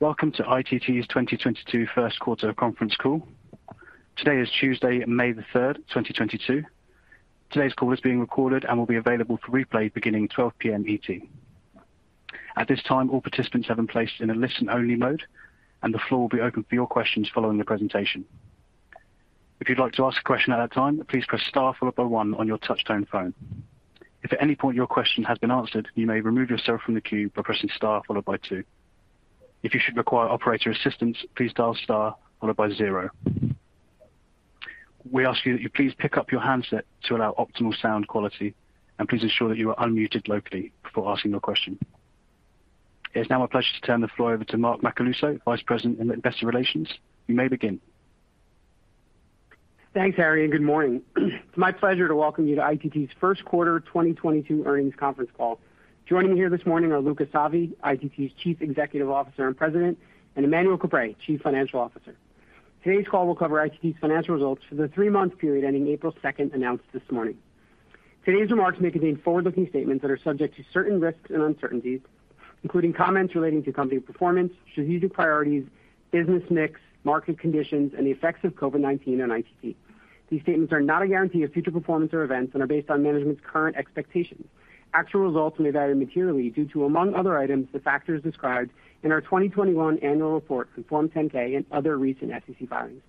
Welcome to ITT's 2022 first quarter conference call. Today is Tuesday, May 3, 2022. Today's call is being recorded and will be available for replay beginning 12:00 P.M. ET. At this time, all participants have been placed in a listen-only mode, and the floor will be open for your questions following the presentation. If you'd like to ask a question at that time, please press star followed by one on your touchtone phone. If at any point your question has been answered, you may remove yourself from the queue by pressing star followed by two. If you should require operator assistance, please dial star followed by zero. We ask you that you please pick up your handset to allow optimal sound quality and please ensure that you are unmuted locally before asking your question. It's now my pleasure to turn the floor over to Mark Macaluso, Vice President, Investor Relations. You may begin. Thanks, Harry, and good morning. It's my pleasure to welcome you to ITT's first quarter 2022 earnings conference call. Joining me here this morning are Luca Savi, ITT's Chief Executive Officer and President, and Emmanuel Caprais, Chief Financial Officer. Today's call will cover ITT's financial results for the three-month period ending April 2, announced this morning. Today's remarks may contain forward-looking statements that are subject to certain risks and uncertainties, including comments relating to company performance, strategic priorities, business mix, market conditions, and the effects of COVID-19 on ITT. These statements are not a guarantee of future performance or events and are based on management's current expectations. Actual results may vary materially due to, among other items, the factors described in our 2021 annual report and Form 10-K and other recent SEC filings.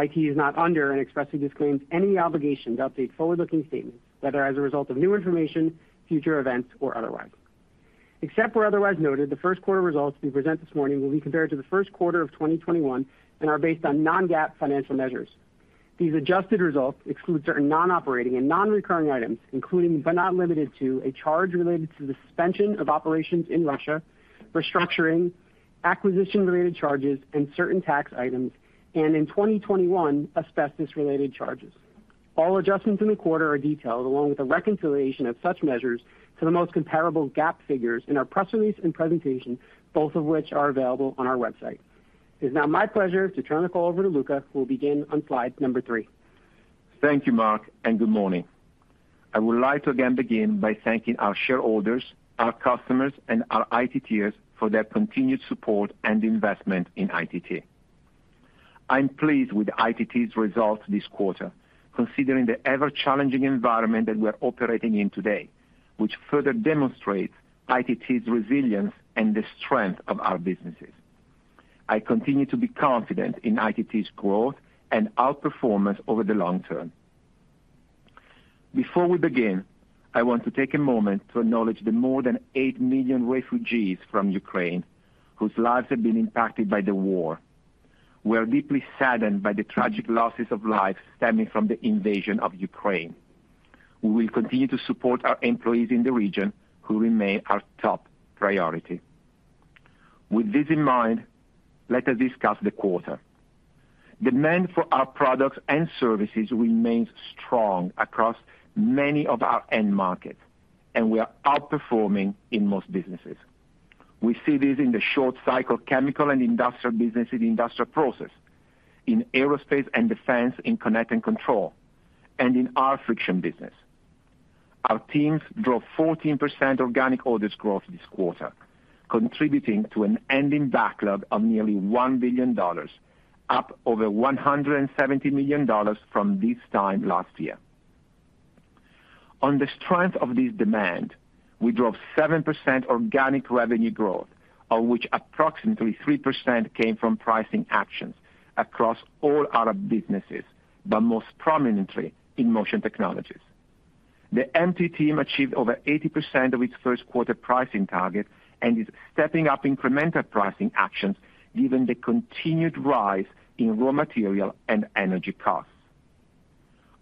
ITT is not under and expressly disclaims any obligation to update forward-looking statements, whether as a result of new information, future events, or otherwise. Except where otherwise noted, the first quarter results we present this morning will be compared to the first quarter of 2021 and are based on non-GAAP financial measures. These adjusted results exclude certain non-operating and non-recurring items, including but not limited to a charge related to the suspension of operations in Russia, restructuring, acquisition-related charges and certain tax items, and in 2021, asbestos-related charges. All adjustments in the quarter are detailed, along with a reconciliation of such measures to the most comparable GAAP figures in our press release and presentation, both of which are available on our website. It's now my pleasure to turn the call over to Luca, who will begin on slide number three. Thank you, Mark, and good morning. I would like to again begin by thanking our shareholders, our customers, and our ITTers for their continued support and investment in ITT. I'm pleased with ITT's results this quarter, considering the ever-challenging environment that we're operating in today, which further demonstrates ITT's resilience and the strength of our businesses. I continue to be confident in ITT's growth and outperformance over the long term. Before we begin, I want to take a moment to acknowledge the more than 8 million refugees from Ukraine whose lives have been impacted by the war. We are deeply saddened by the tragic losses of life stemming from the invasion of Ukraine. We will continue to support our employees in the region who remain our top priority. With this in mind, let us discuss the quarter. Demand for our products and services remains strong across many of our end markets, and we are outperforming in most businesses. We see this in the short cycle chemical and industrial business in the Industrial Process, in aerospace and defense in Connect and Control Technologies, and in our friction business. Our teams drove 14% organic orders growth this quarter, contributing to an ending backlog of nearly $1 billion, up over $170 million from this time last year. On the strength of this demand, we drove 7% organic revenue growth, of which approximately 3% came from pricing actions across all our businesses, but most prominently in Motion Technologies. The MT team achieved over 80% of its first quarter pricing target and is stepping up incremental pricing actions given the continued rise in raw material and energy costs.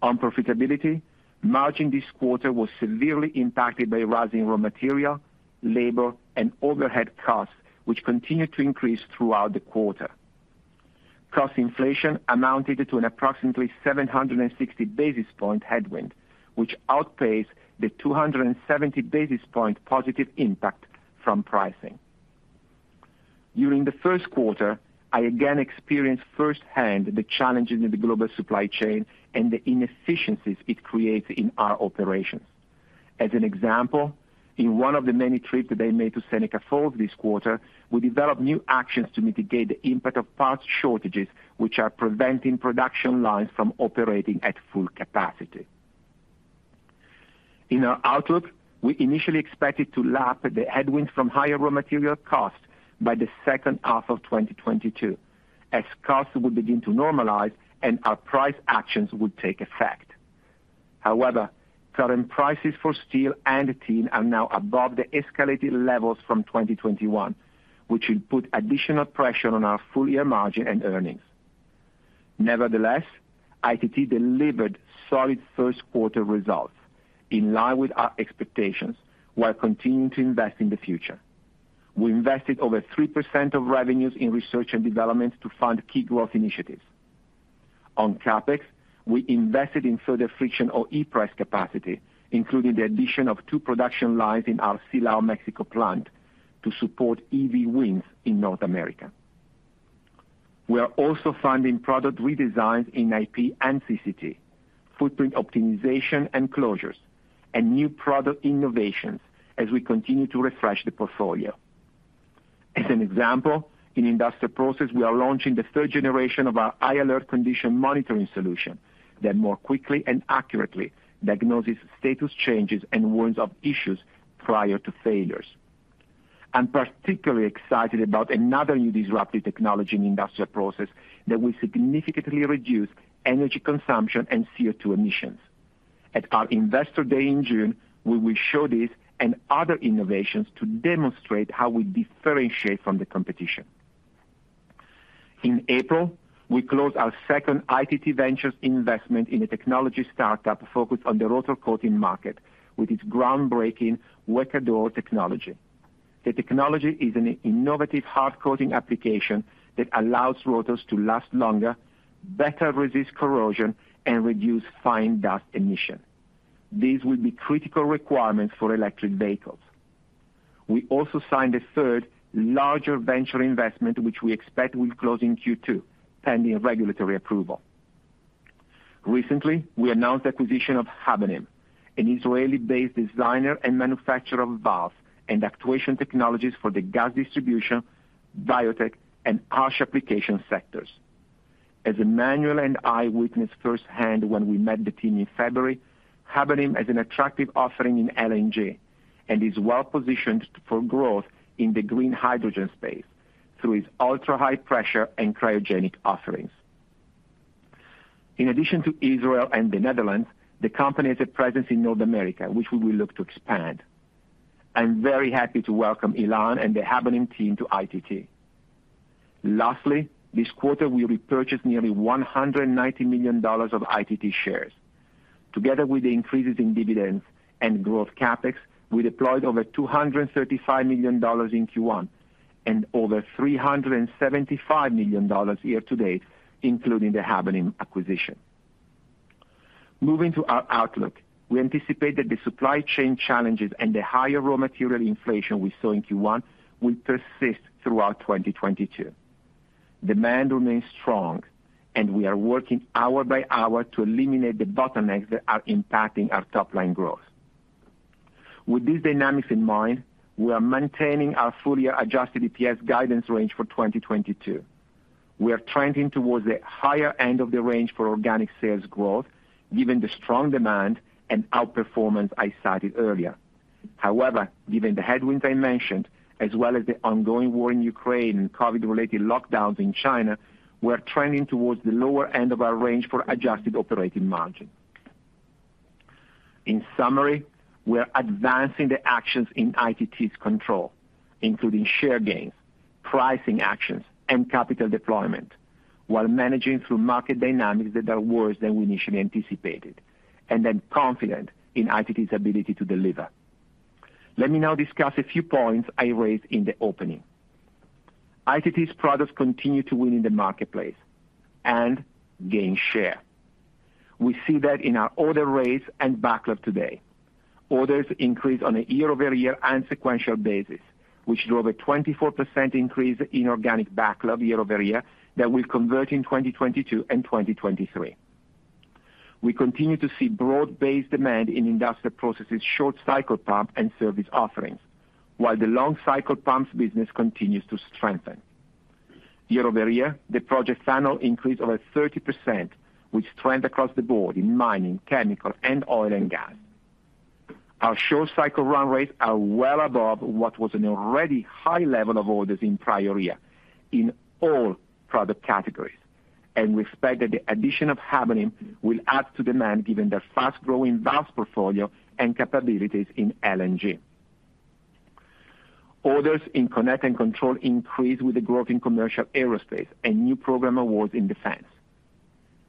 On profitability, margin this quarter was severely impacted by rising raw material, labor, and overhead costs, which continued to increase throughout the quarter. Cost inflation amounted to an approximately 760 basis point headwind, which outpaced the 270 basis point positive impact from pricing. During the first quarter, I again experienced firsthand the challenges in the global supply chain and the inefficiencies it creates in our operations. As an example, in one of the many trips that I made to Seneca Falls this quarter, we developed new actions to mitigate the impact of parts shortages, which are preventing production lines from operating at full capacity. In our outlook, we initially expected to lap the headwinds from higher raw material costs by the second half of 2022, as costs will begin to normalize and our price actions will take effect. However, current prices for steel and tin are now above the escalated levels from 2021, which will put additional pressure on our full-year margin and earnings. Nevertheless, ITT delivered solid first quarter results in line with our expectations while continuing to invest in the future. We invested over 3% of revenues in research and development to fund key growth initiatives. On CapEx, we invested in further friction or e-PRESS capacity, including the addition of two production lines in our Silao, Mexico plant to support EV wins in North America. We are also finding product redesigns in IP and CCT, footprint optimization and closures, and new product innovations as we continue to refresh the portfolio. As an example, in Industrial Process, we are launching the third generation of our i-ALERT condition monitoring solution that more quickly and accurately diagnoses status changes and warns of issues prior to failures. I'm particularly excited about another new disruptive technology in Industrial Process that will significantly reduce energy consumption and CO₂ emissions. At our Investor Day in June, we will show this and other innovations to demonstrate how we differentiate from the competition. In April, we closed our second ITT Ventures investment in a technology startup focused on the rotor coating market with its groundbreaking WECODUR technology. The technology is an innovative hard coating application that allows rotors to last longer, better resist corrosion, and reduce fine dust emission. These will be critical requirements for electric vehicles. We also signed a third larger venture investment, which we expect will close in Q2, pending regulatory approval. Recently, we announced the acquisition of Habonim, an Israeli-based designer and manufacturer of valves and actuation technologies for the gas distribution, biotech, and harsh application sectors. As Emmanuel Caprais and I witnessed firsthand when we met the team in February, Habonim has an attractive offering in LNG and is well-positioned for growth in the green hydrogen space through its ultrahigh pressure and cryogenic offerings. In addition to Israel and the Netherlands, the company has a presence in North America, which we will look to expand. I'm very happy to welcome Ilan and the Habonim team to ITT. Lastly, this quarter we repurchased nearly $190 million of ITT shares. Together with the increases in dividends and growth CapEx, we deployed over $235 million in Q1 and over $375 million year to date, including the Habonim acquisition. Moving to our outlook. We anticipate that the supply chain challenges and the higher raw material inflation we saw in Q1 will persist throughout 2022. Demand remains strong, and we are working hour by hour to eliminate the bottlenecks that are impacting our top line growth. With these dynamics in mind, we are maintaining our full year adjusted EPS guidance range for 2022. We are trending towards the higher end of the range for organic sales growth, given the strong demand and outperformance I cited earlier. However, given the headwinds I mentioned, as well as the ongoing war in Ukraine and COVID-related lockdowns in China, we're trending towards the lower end of our range for adjusted operating margin. In summary, we are advancing the actions in ITT's control, including share gains, pricing actions, and capital deployment, while managing through market dynamics that are worse than we initially anticipated. I'm confident in ITT's ability to deliver. Let me now discuss a few points I raised in the opening. ITT's products continue to win in the marketplace and gain share. We see that in our order rates and backlog today. Orders increased on a year-over-year and sequential basis, which drove a 24% increase in organic backlog year over year that will convert in 2022 and 2023. We continue to see broad-based demand in industrial processes short cycle pump and service offerings, while the long cycle pumps business continues to strengthen. Year-over-year, the project funnel increased over 30%, which trend across the board in mining, chemical, and oil and gas. Our short cycle run rates are well above what was an already high level of orders in prior year in all product categories, and we expect that the addition of Habonim will add to demand given their fast-growing vast portfolio and capabilities in LNG. Orders in Connect and Control increased with the growth in commercial aerospace and new program awards in defense.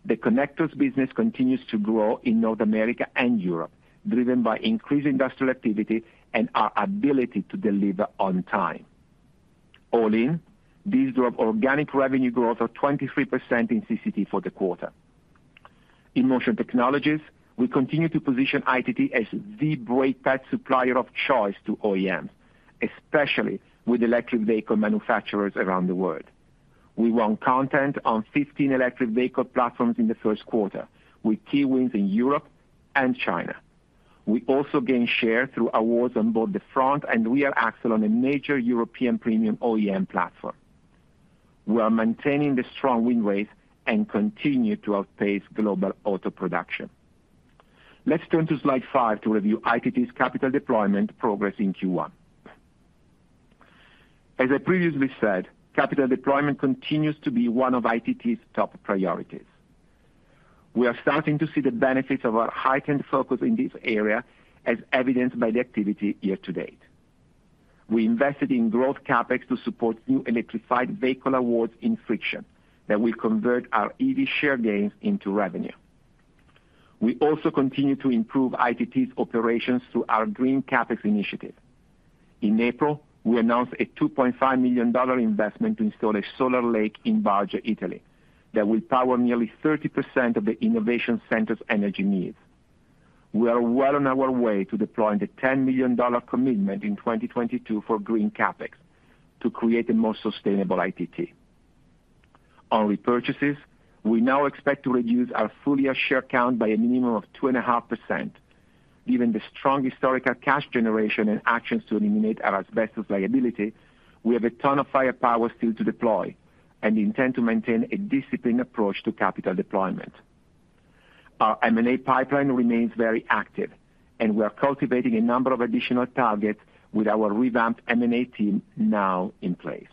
The connectors business continues to grow in North America and Europe, driven by increased industrial activity and our ability to deliver on time. All in, these drove organic revenue growth of 23% in CCT for the quarter. In Motion Technologies, we continue to position ITT as the brake pad supplier of choice to OEMs, especially with electric vehicle manufacturers around the world. We won content on 15 electric vehicle platforms in the first quarter, with key wins in Europe and China. We also gained share through awards on both the front and rear axle on a major European premium OEM platform. We are maintaining the strong win rates and continue to outpace global auto production. Let's turn to slide five to review ITT's capital deployment progress in Q1. As I previously said, capital deployment continues to be one of ITT's top priorities. We are starting to see the benefits of our heightened focus in this area, as evidenced by the activity year to date. We invested in growth CapEx to support new electrified vehicle awards in friction that will convert our EV share gains into revenue. We also continue to improve ITT's operations through our green CapEx initiative. In April, we announced a $2.5 million investment to install a solar lake in Barge, Italy, that will power nearly 30% of the innovation center's energy needs. We are well on our way to deploying the $10 million commitment in 2022 for green CapEx to create a more sustainable ITT. On repurchases, we now expect to reduce our fully share count by a minimum of 2.5%. Given the strong historical cash generation and actions to eliminate our asbestos liability, we have a ton of firepower still to deploy, and intend to maintain a disciplined approach to capital deployment. Our M and A pipeline remains very active, and we are cultivating a number of additional targets with our revamped M and A team now in place.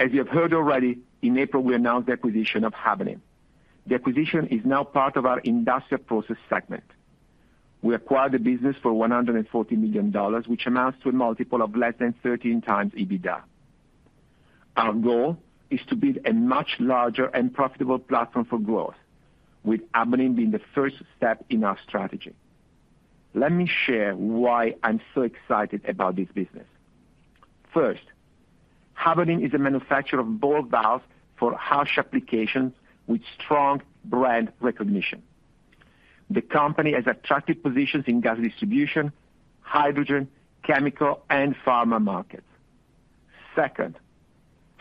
As you have heard already, in April, we announced the acquisition of Habonim. The acquisition is now part of our Industrial Process segment. We acquired the business for $140 million, which amounts to a multiple of less than 13x EBITDA. Our goal is to build a much larger and profitable platform for growth, with Habonim being the first step in our strategy. Let me share why I'm so excited about this business. First, Habonim is a manufacturer of ball valves for harsh applications with strong brand recognition. The company has attractive positions in gas distribution, hydrogen, chemical, and pharma markets. Second,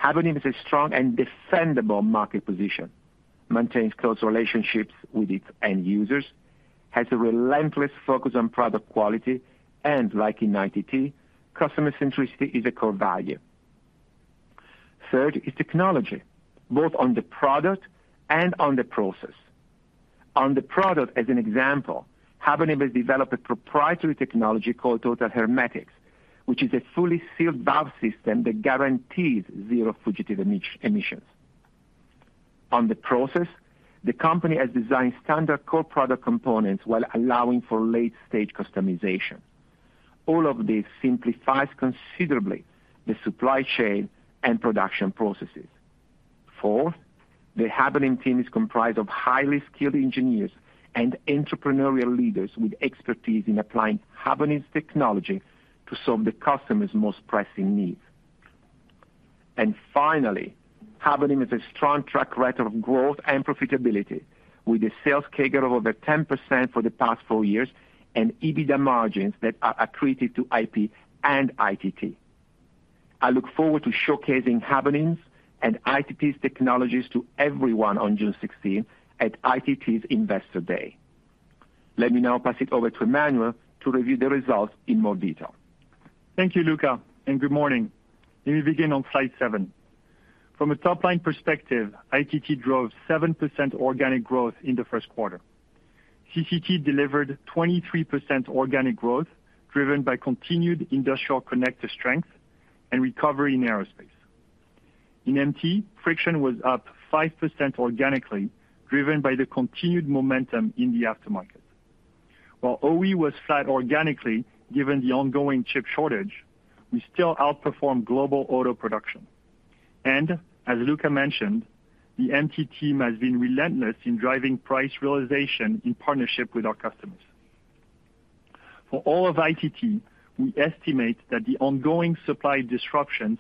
Habonim has a strong and defensible market position, maintains close relationships with its end users, has a relentless focus on product quality, and like in ITT, customer centricity is a core value. Third is technology, both on the product and on the process. On the product, as an example, Habonim has developed a proprietary technology called Total HermetiX, which is a fully sealed valve system that guarantees zero fugitive emissions. On the process, the company has designed standard core product components while allowing for late-stage customization. All of this simplifies considerably the supply chain and production processes. Fourth, the Habonim team is comprised of highly skilled engineers and entrepreneurial leaders with expertise in applying Habonim's technology to solve the customer's most pressing needs. Finally, Habonim has a strong track record of growth and profitability, with the sales CAGR over 10% for the past four years and EBITDA margins that are accretive to IP and ITT. I look forward to showcasing Habonim's and ITT's technologies to everyone on June sixteenth at ITT's Investor Day. Let me now pass it over to Emmanuel to review the results in more detail. Thank you, Luca, and good morning. Let me begin on slide seven. From a top-line perspective, ITT drove 7% organic growth in the first quarter. CCT delivered 23% organic growth, driven by continued industrial connector strength and recovery in aerospace. In MT, friction was up 5% organically, driven by the continued momentum in the aftermarket. While OE was flat organically, given the ongoing chip shortage, we still outperformed global auto production. As Luca mentioned, the MT team has been relentless in driving price realization in partnership with our customers. For all of ITT, we estimate that the ongoing supply disruptions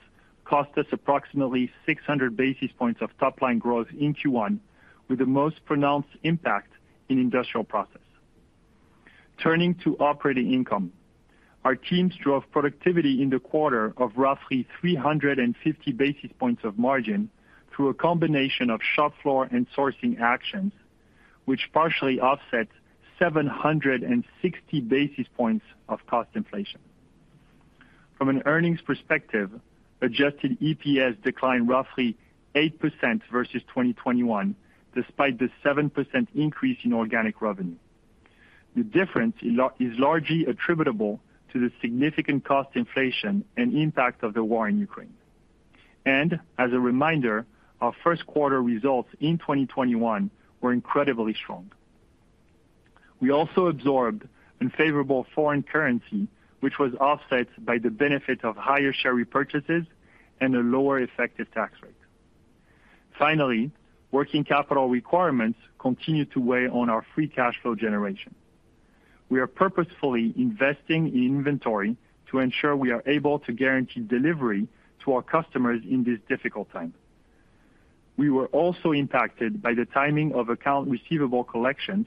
cost us approximately 600 basis points of top line growth in Q1, with the most pronounced impact in Industrial Process. Turning to operating income. Our teams drove productivity in the quarter of roughly 350 basis points of margin through a combination of shop floor and sourcing actions, which partially offset 760 basis points of cost inflation. From an earnings perspective, adjusted EPS declined roughly 8% versus 2021, despite the 7% increase in organic revenue. The difference is largely attributable to the significant cost inflation and impact of the war in Ukraine. As a reminder, our first quarter results in 2021 were incredibly strong. We also absorbed unfavorable foreign currency, which was offset by the benefit of higher share repurchases and a lower effective tax rate. Finally, working capital requirements continue to weigh on our free cash flow generation. We are purposefully investing in inventory to ensure we are able to guarantee delivery to our customers in this difficult time. We were also impacted by the timing of account receivable collections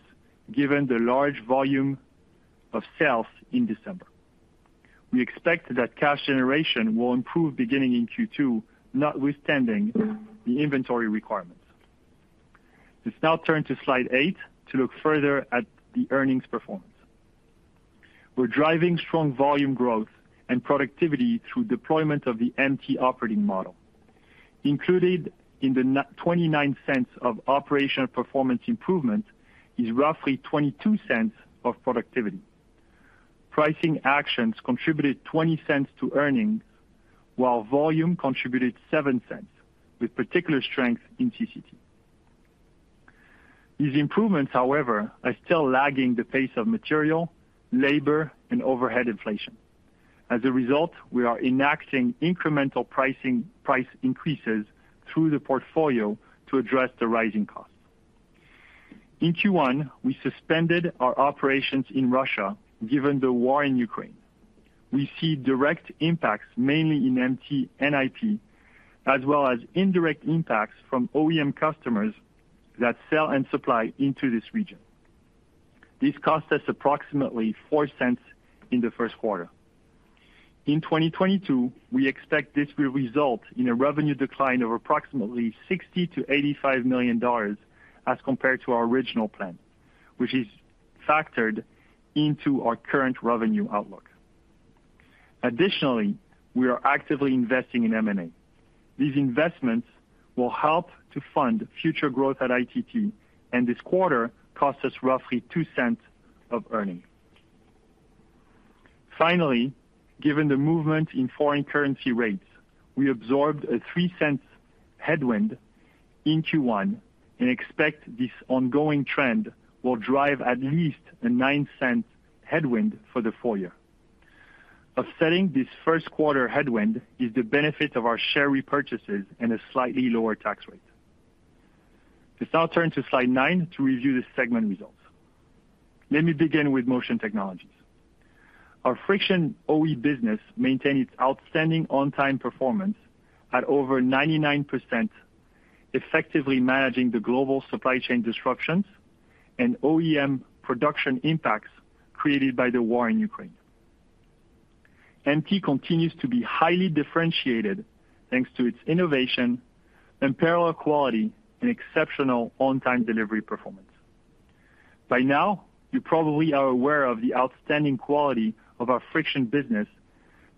given the large volume of sales in December. We expect that cash generation will improve beginning in Q2, notwithstanding the inventory requirements. Let's now turn to slide eight to look further at the earnings performance. We're driving strong volume growth and productivity through deployment of the MT operating model. Included in the 0.29 of operational performance improvement is roughly 0.22 of productivity. Pricing actions contributed $0.20 to earnings, while volume contributed 0.07, with particular strength in CCT. These improvements, however, are still lagging the pace of material, labor, and overhead inflation. As a result, we are enacting incremental pricing, price increases through the portfolio to address the rising costs. In Q1, we suspended our operations in Russia given the war in Ukraine. We see direct impacts mainly in MT and IP, as well as indirect impacts from OEM customers that sell and supply into this region. This cost us approximately 0.04 in the first quarter. In 2022, we expect this will result in a revenue decline of approximately $60-$85 million as compared to our original plan, which is factored into our current revenue outlook. Additionally, we are actively investing in M&A. These investments will help to fund future growth at ITT, and this quarter cost us roughly 0.02 of earnings. Finally, given the movement in foreign currency rates, we absorbed a 0.03 headwind in Q1 and expect this ongoing trend will drive at least a 0.09 headwind for the full year. Offsetting this first quarter headwind is the benefit of our share repurchases and a slightly lower tax rate. Let's now turn to slide nine to review the segment results. Let me begin with Motion Technologies. Our friction OE business maintained its outstanding on-time performance at over 99%, effectively managing the global supply chain disruptions and OEM production impacts created by the war in Ukraine. MT continues to be highly differentiated thanks to its innovation and unparalleled quality and exceptional on-time delivery performance. By now, you probably are aware of the outstanding quality of our friction business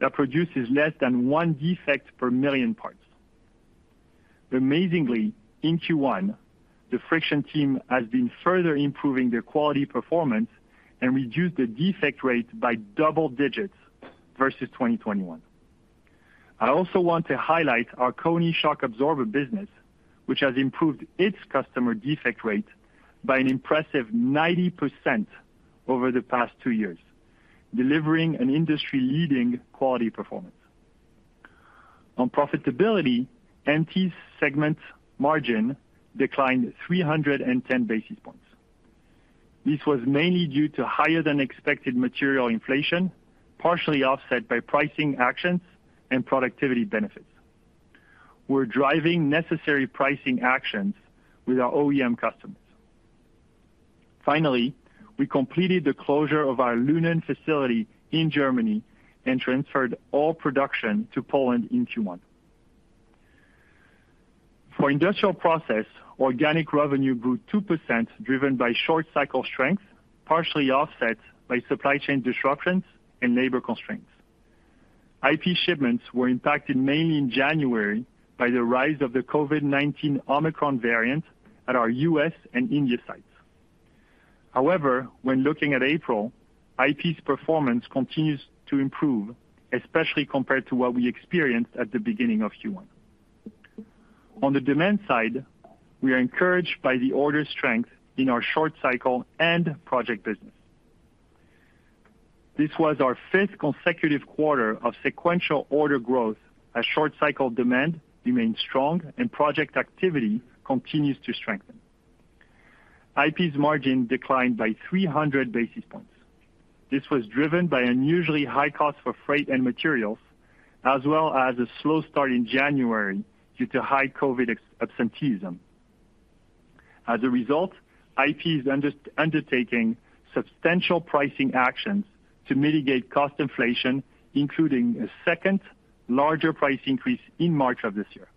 that produces less than one defect per million parts. Amazingly, in Q1, the friction team has been further improving their quality performance and reduced the defect rate by double digits versus 2021. I also want to highlight our KONI shock absorber business, which has improved its customer defect rate by an impressive 90% over the past two years, delivering an industry-leading quality performance. On profitability, MT's segment margin declined 310 basis points. This was mainly due to higher than expected material inflation, partially offset by pricing actions and productivity benefits. We're driving necessary pricing actions with our OEM customers. Finally, we completed the closure of our Lünen facility in Germany and transferred all production to Poland in Q1. For Industrial Process, organic revenue grew 2%, driven by short cycle strength, partially offset by supply chain disruptions and labor constraints. IP shipments were impacted mainly in January by the rise of the COVID-19 Omicron variant at our U.S. and India sites. However, when looking at April, IP's performance continues to improve, especially compared to what we experienced at the beginning of Q1. On the demand side, we are encouraged by the order strength in our short cycle and project business. This was our fifth consecutive quarter of sequential order growth as short cycle demand remains strong and project activity continues to strengthen. IP's margin declined by 300 basis points. This was driven by unusually high costs for freight and materials, as well as a slow start in January due to high COVID-19 excess absenteeism. As a result, IP is undertaking substantial pricing actions to mitigate cost inflation, including a second larger price increase in March of this year.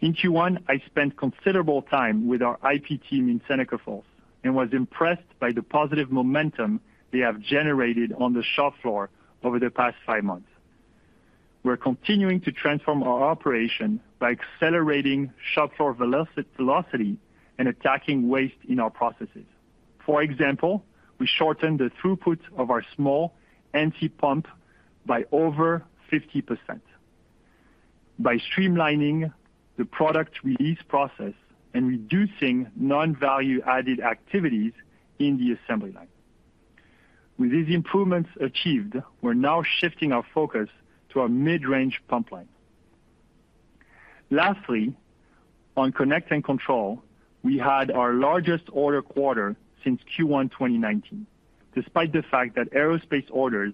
In Q1, I spent considerable time with our IP team in Seneca Falls and was impressed by the positive momentum they have generated on the shop floor over the past five months. We're continuing to transform our operation by accelerating shop floor velocity and attacking waste in our processes. For example, we shortened the throughput of our small MT pump by over 50% by streamlining the product release process and reducing non-value added activities in the assembly line. With these improvements achieved, we're now shifting our focus to our mid-range pump line. Lastly, on Connect and Control, we had our largest order quarter since Q1 2019, despite the fact that aerospace orders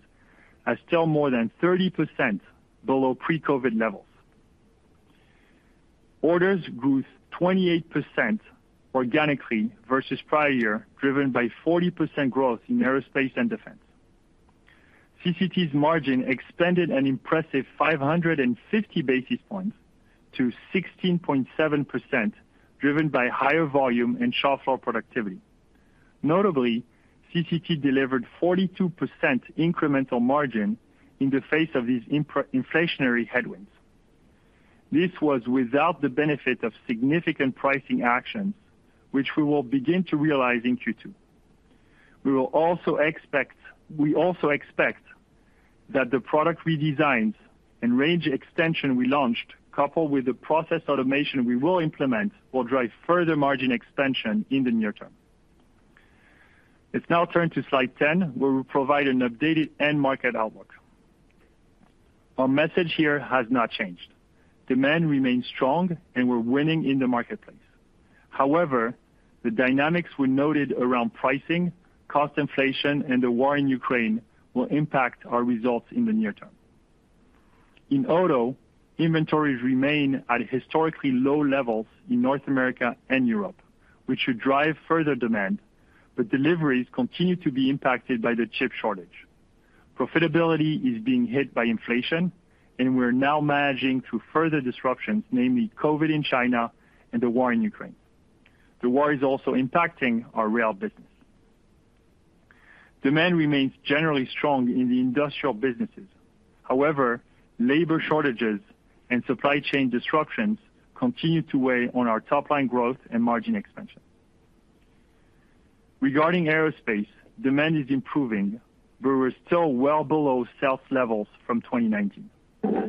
are still more than 30% below pre-COVID levels. Orders grew 28% organically versus prior year, driven by 40% growth in aerospace and defense. CCT's margin expanded an impressive 550 basis points to 16.7%, driven by higher volume and shop floor productivity. Notably, CCT delivered 42% incremental margin in the face of these inflationary headwinds. This was without the benefit of significant pricing actions, which we will begin to realize in Q2. We also expect that the product redesigns and range extension we launched, coupled with the process automation we will implement, will drive further margin expansion in the near term. Let's now turn to slide 10, where we provide an updated end market outlook. Our message here has not changed. Demand remains strong and we're winning in the marketplace. However, the dynamics we noted around pricing, cost inflation, and the war in Ukraine will impact our results in the near term. In Auto, inventories remain at historically low levels in North America and Europe, which should drive further demand, but deliveries continue to be impacted by the chip shortage. Profitability is being hit by inflation, and we're now managing through further disruptions, namely COVID in China and the war in Ukraine. The war is also impacting our rail business. Demand remains generally strong in the industrial businesses. However, labor shortages and supply chain disruptions continue to weigh on our top line growth and margin expansion. Regarding aerospace, demand is improving, but we're still well below sales levels from 2019.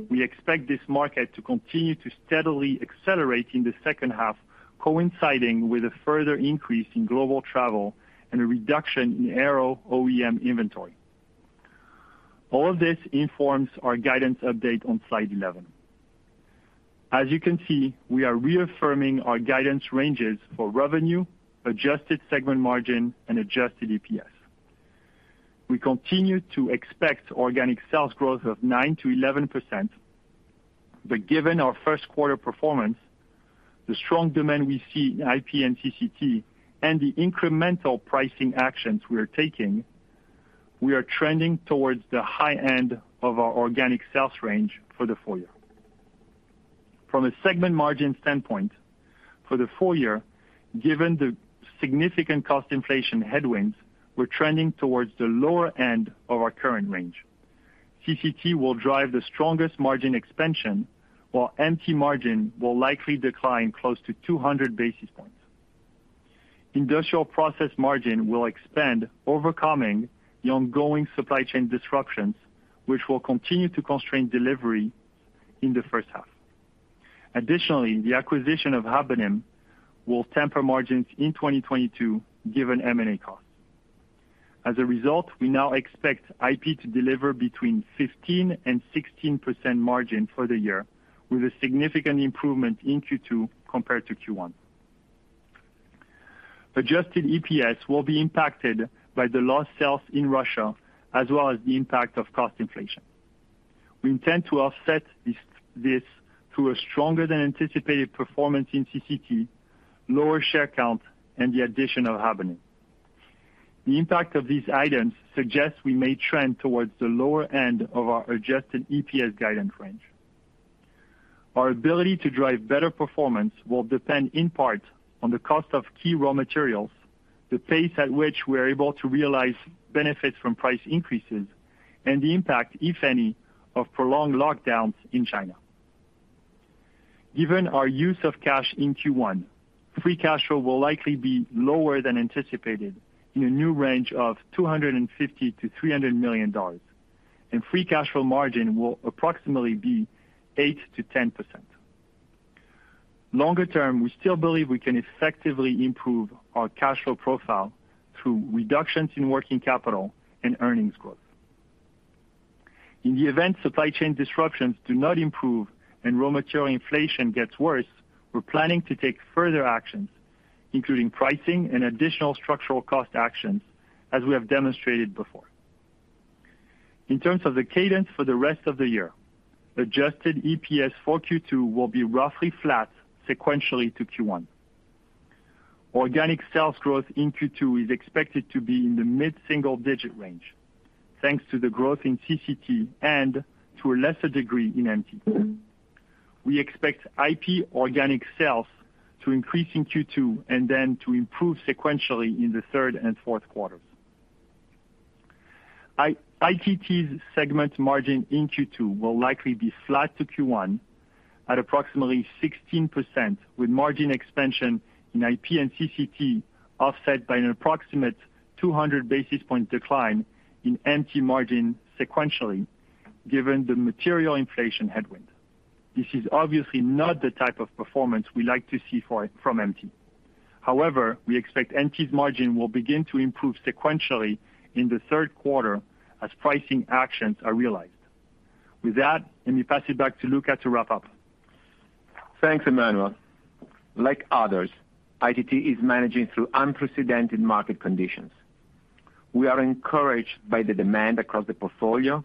We expect this market to continue to steadily accelerate in the second half, coinciding with a further increase in global travel and a reduction in Aero OEM inventory. All of this informs our guidance update on slide 11. As you can see, we are reaffirming our guidance ranges for revenue, adjusted segment margin, and adjusted EPS. We continue to expect organic sales growth of 9%-11%. Given our first quarter performance, the strong demand we see in IP and CCT and the incremental pricing actions we are taking, we are trending towards the high end of our organic sales range for the full year. From a segment margin standpoint, for the full year, given the significant cost inflation headwinds, we're trending towards the lower end of our current range. CCT will drive the strongest margin expansion, while MT margin will likely decline close to 200 basis points. Industrial Process margin will expand, overcoming the ongoing supply chain disruptions, which will continue to constrain delivery in the first half. Additionally, the acquisition of Habonim will temper margins in 2022 given M&A costs. As a result, we now expect IP to deliver between 15% and 16% margin for the year, with a significant improvement in Q2 compared to Q1. Adjusted EPS will be impacted by the lost sales in Russia, as well as the impact of cost inflation. We intend to offset this through a stronger than anticipated performance in CCT, lower share count, and the addition of Habonim. The impact of these items suggests we may trend towards the lower end of our adjusted EPS guidance range. Our ability to drive better performance will depend in part on the cost of key raw materials, the pace at which we're able to realize benefits from price increases, and the impact, if any, of prolonged lockdowns in China. Given our use of cash in Q1, free cash flow will likely be lower than anticipated in a new range of $250 million-$300 million. Free cash flow margin will approximately be 8%-10%. Longer term, we still believe we can effectively improve our cash flow profile through reductions in working capital and earnings growth. In the event supply chain disruptions do not improve and raw material inflation gets worse, we're planning to take further actions, including pricing and additional structural cost actions as we have demonstrated before. In terms of the cadence for the rest of the year, adjusted EPS for Q2 will be roughly flat sequentially to Q1. Organic sales growth in Q2 is expected to be in the mid-single digit range, thanks to the growth in CCT and to a lesser degree in MT. We expect IP organic sales to increase in Q2 and then to improve sequentially in the third and fourth quarters. ITT's segment margin in Q2 will likely be flat to Q1 at approximately 16%, with margin expansion in IP and CCT offset by an approximate 200 basis point decline in MT margin sequentially, given the material inflation headwind. This is obviously not the type of performance we like to see from MT. However, we expect MT's margin will begin to improve sequentially in the third quarter as pricing actions are realized. With that, let me pass it back to Luca to wrap up. Thanks, Emmanuel. Like others, ITT is managing through unprecedented market conditions. We are encouraged by the demand across the portfolio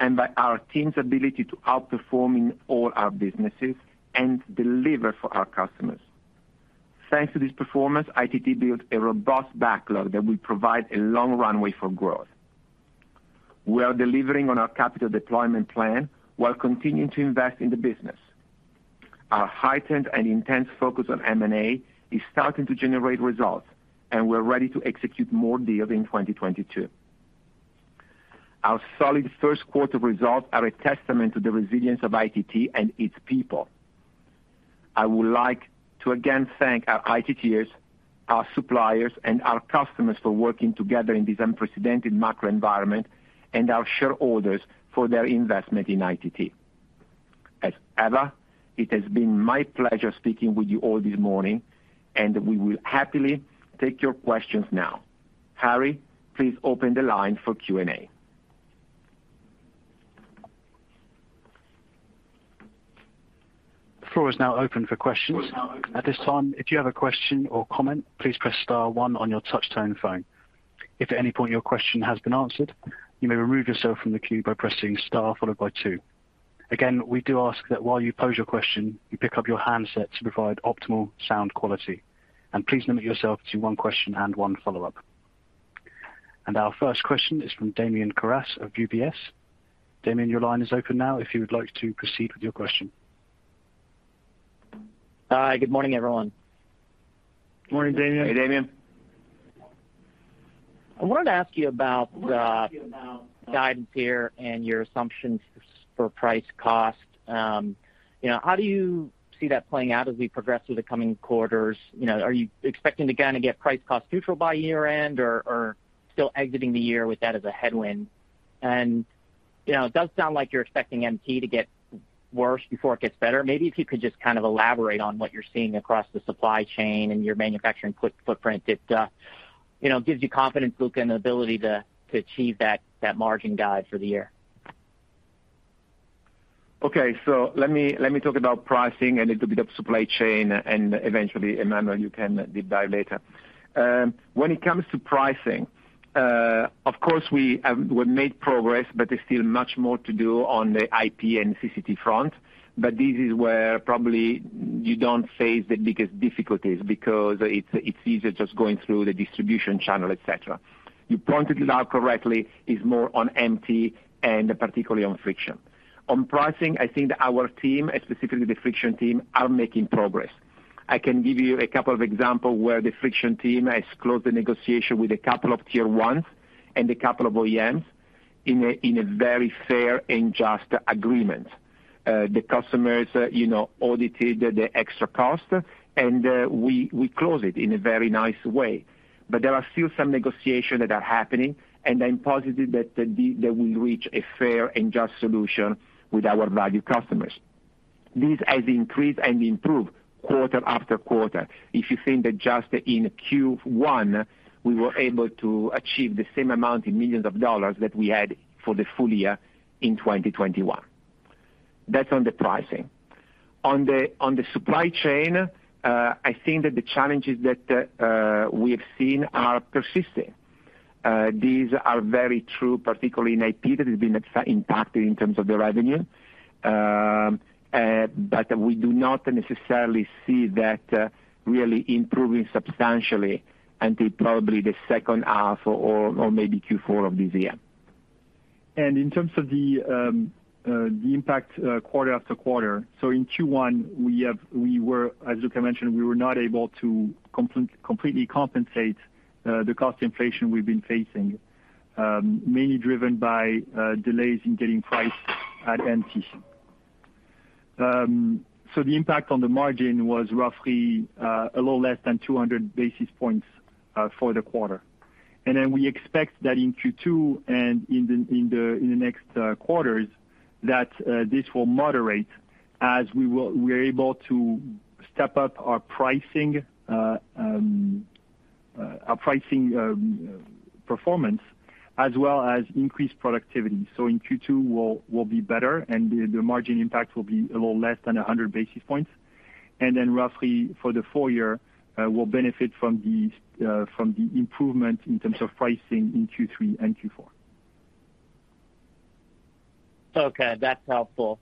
and by our team's ability to outperform in all our businesses and deliver for our customers. Thanks to this performance, ITT built a robust backlog that will provide a long runway for growth. We are delivering on our capital deployment plan while continuing to invest in the business. Our heightened and intense focus on M and A is starting to generate results, and we're ready to execute more deals in 2022. Our solid first quarter results are a testament to the resilience of ITT and its people. I would like to again thank our ITTers, our suppliers, and our customers for working together in this unprecedented macro environment and our shareholders for their investment in ITT. As ever, it has been my pleasure speaking with you all this morning, and we will happily take your questions now. Harry, please open the line for Q&A. The floor is now open for questions. At this time, if you have a question or comment, please press star one on your touch-tone phone. If at any point your question has been answered, you may remove yourself from the queue by pressing star followed by two. Again, we do ask that while you pose your question, you pick up your handset to provide optimal sound quality. Please limit yourself to one question and one follow-up. Our first question is from Damian Karas of UBS. Damian, your line is open now if you would like to proceed with your question. Hi, good morning, everyone. Good morning, Damian. Hey, Damian. I wanted to ask you about the guidance here and your assumptions for price cost. You know, how do you see that playing out as we progress through the coming quarters? You know, are you expecting to kind of get price cost neutral by year-end or still exiting the year with that as a headwind? You know, it does sound like you're expecting MT to get worse before it gets better. Maybe if you could just kind of elaborate on what you're seeing across the supply chain and your manufacturing footprint that you know gives you confidence, Luca, in the ability to achieve that margin guide for the year. Let me talk about pricing and a little bit of supply chain, and eventually, Emmanuel, you can deep dive later. When it comes to pricing, of course, we made progress, but there's still much more to do on the IP and CCT front. This is where probably you don't face the biggest difficulties because it's easier just going through the distribution channel, et cetera. You pointed it out correctly, it's more on MT and particularly on friction. On pricing, I think that our team, and specifically the friction team, are making progress. I can give you a couple of example where the friction team has closed the negotiation with a couple of tier ones and a couple of OEMs in a very fair and just agreement. The customers, you know, audited the extra cost, and we closed it in a very nice way. There are still some negotiation that are happening, and I'm positive that they will reach a fair and just solution with our valued customers. This has increased and improved quarter after quarter. If you think that just in Q1, we were able to achieve the same amount in millions of dollars that we had for the full year in 2021. That's on the pricing. On the supply chain, I think that the challenges that we have seen are persisting. These are very true, particularly in IP, that has been impacted in terms of the revenue. We do not necessarily see that really improving substantially until probably the second half or maybe Q4 of this year. In terms of the impact quarter after quarter, in Q1, we were, as Luca mentioned, not able to completely compensate the cost inflation we've been facing, mainly driven by delays in getting pricing at MT. The impact on the margin was roughly a little less than 200 basis points for the quarter. We expect that in Q2 and in the next quarters, this will moderate as we're able to step up our pricing performance as well as increase productivity. In Q2 we'll be better, and the margin impact will be a little less than 100 basis points. Roughly for the full year, we'll benefit from the improvement in terms of pricing in Q3 and Q4. Okay. That's helpful.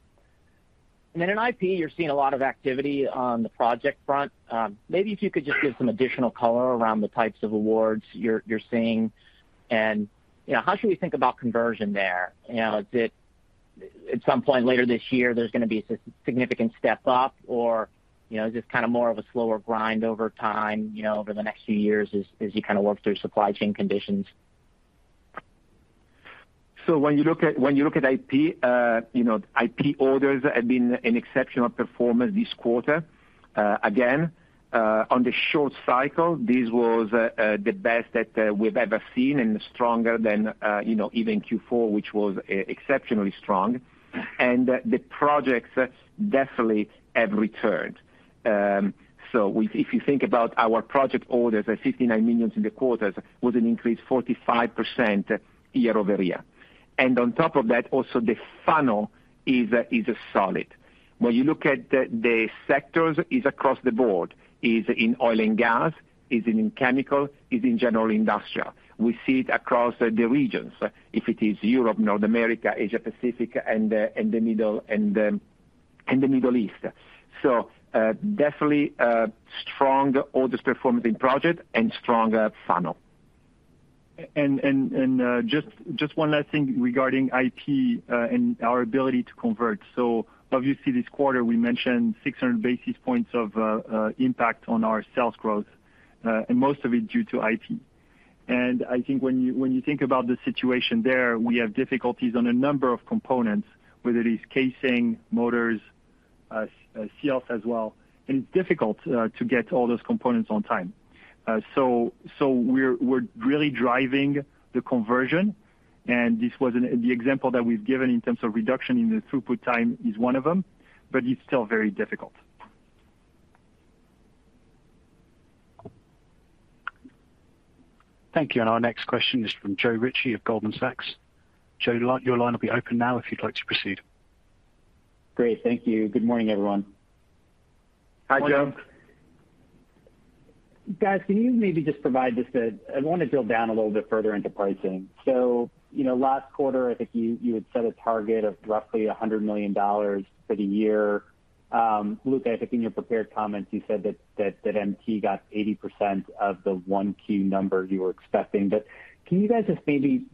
In IP, you're seeing a lot of activity on the project front. Maybe if you could just give some additional color around the types of awards you're seeing. You know, how should we think about conversion there? You know, is it at some point later this year, there's going to be a significant step up or, you know, just kind of more of a slower grind over time, you know, over the next few years as you kind of work through supply chain conditions? When you look at IP, you know, IP orders have been an exceptional performer this quarter. Again, on the short cycle, this was the best that we've ever seen and stronger than, you know, even Q4, which was exceptionally strong. The projects definitely have returned. If you think about our project orders are 59 million in the quarter with an increase 45% year over year. On top of that, also the funnel is solid. When you look at the sectors is across the board, is in oil and gas, is in chemical, is in general industrial. We see it across the regions, if it is Europe, North America, Asia Pacific, and the Middle East. Definitely a strong orders performance in project and strong funnel. Just one last thing regarding IP and our ability to convert. Obviously this quarter we mentioned 600 basis points of impact on our sales growth, and most of it due to IP. I think when you think about the situation there, we have difficulties on a number of components, whether it is casing, motors. As seals as well, and it's difficult to get all those components on time. We're really driving the conversion, and this was the example that we've given in terms of reduction in the throughput time is one of them, but it's still very difficult. Thank you. Our next question is from Joe Ritchie of Goldman Sachs. Joe, your line will be open now if you'd like to proceed. Great. Thank you. Good morning, everyone. Hi, Joe. Guys, can you maybe just provide. I want to drill down a little bit further into pricing. You know, last quarter, I think you had set a target of roughly $100 million for the year. Luca, I think in your prepared comments you said that MT got 80% of the one key number you were expecting. Can you guys just maybe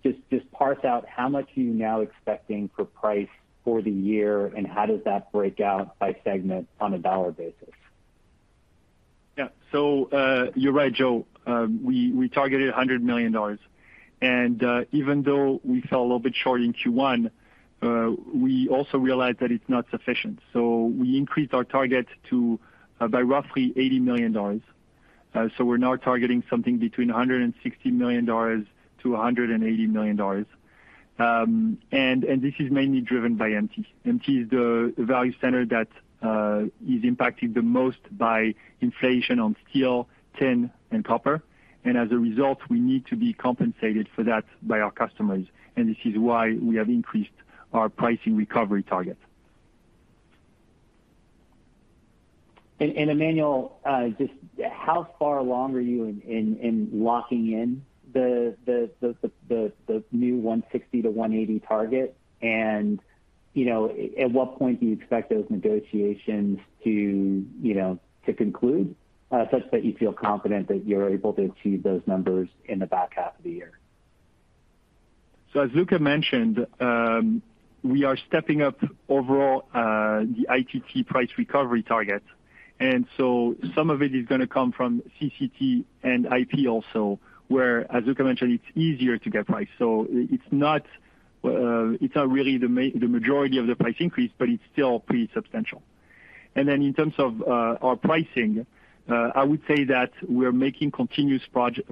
parse out how much are you now expecting for price for the year, and how does that break out by segment on a dollar basis? Yeah, you're right, Joe. We targeted $100 million. Even though we fell a little bit short in Q1, we also realized that it's not sufficient. We increased our target by roughly $80 million. We're now targeting something between $160 million-$180 million. This is mainly driven by MT. MT is the value center that is impacted the most by inflation on steel, tin, and copper. As a result, we need to be compensated for that by our customers, and this is why we have increased our pricing recovery target. Emmanuel, just how far along are you in locking in the new 160-180 target? You know, at what point do you expect those negotiations to conclude, you know, such that you feel confident that you're able to achieve those numbers in the back half of the year? As Luca mentioned, we are stepping up overall the ITT price recovery target. Some of it is going to come from CCT and IP also, where as Luca mentioned, it's easier to get price. It's not really the majority of the price increase, but it's still pretty substantial. In terms of our pricing, I would say that we're making continuous progress.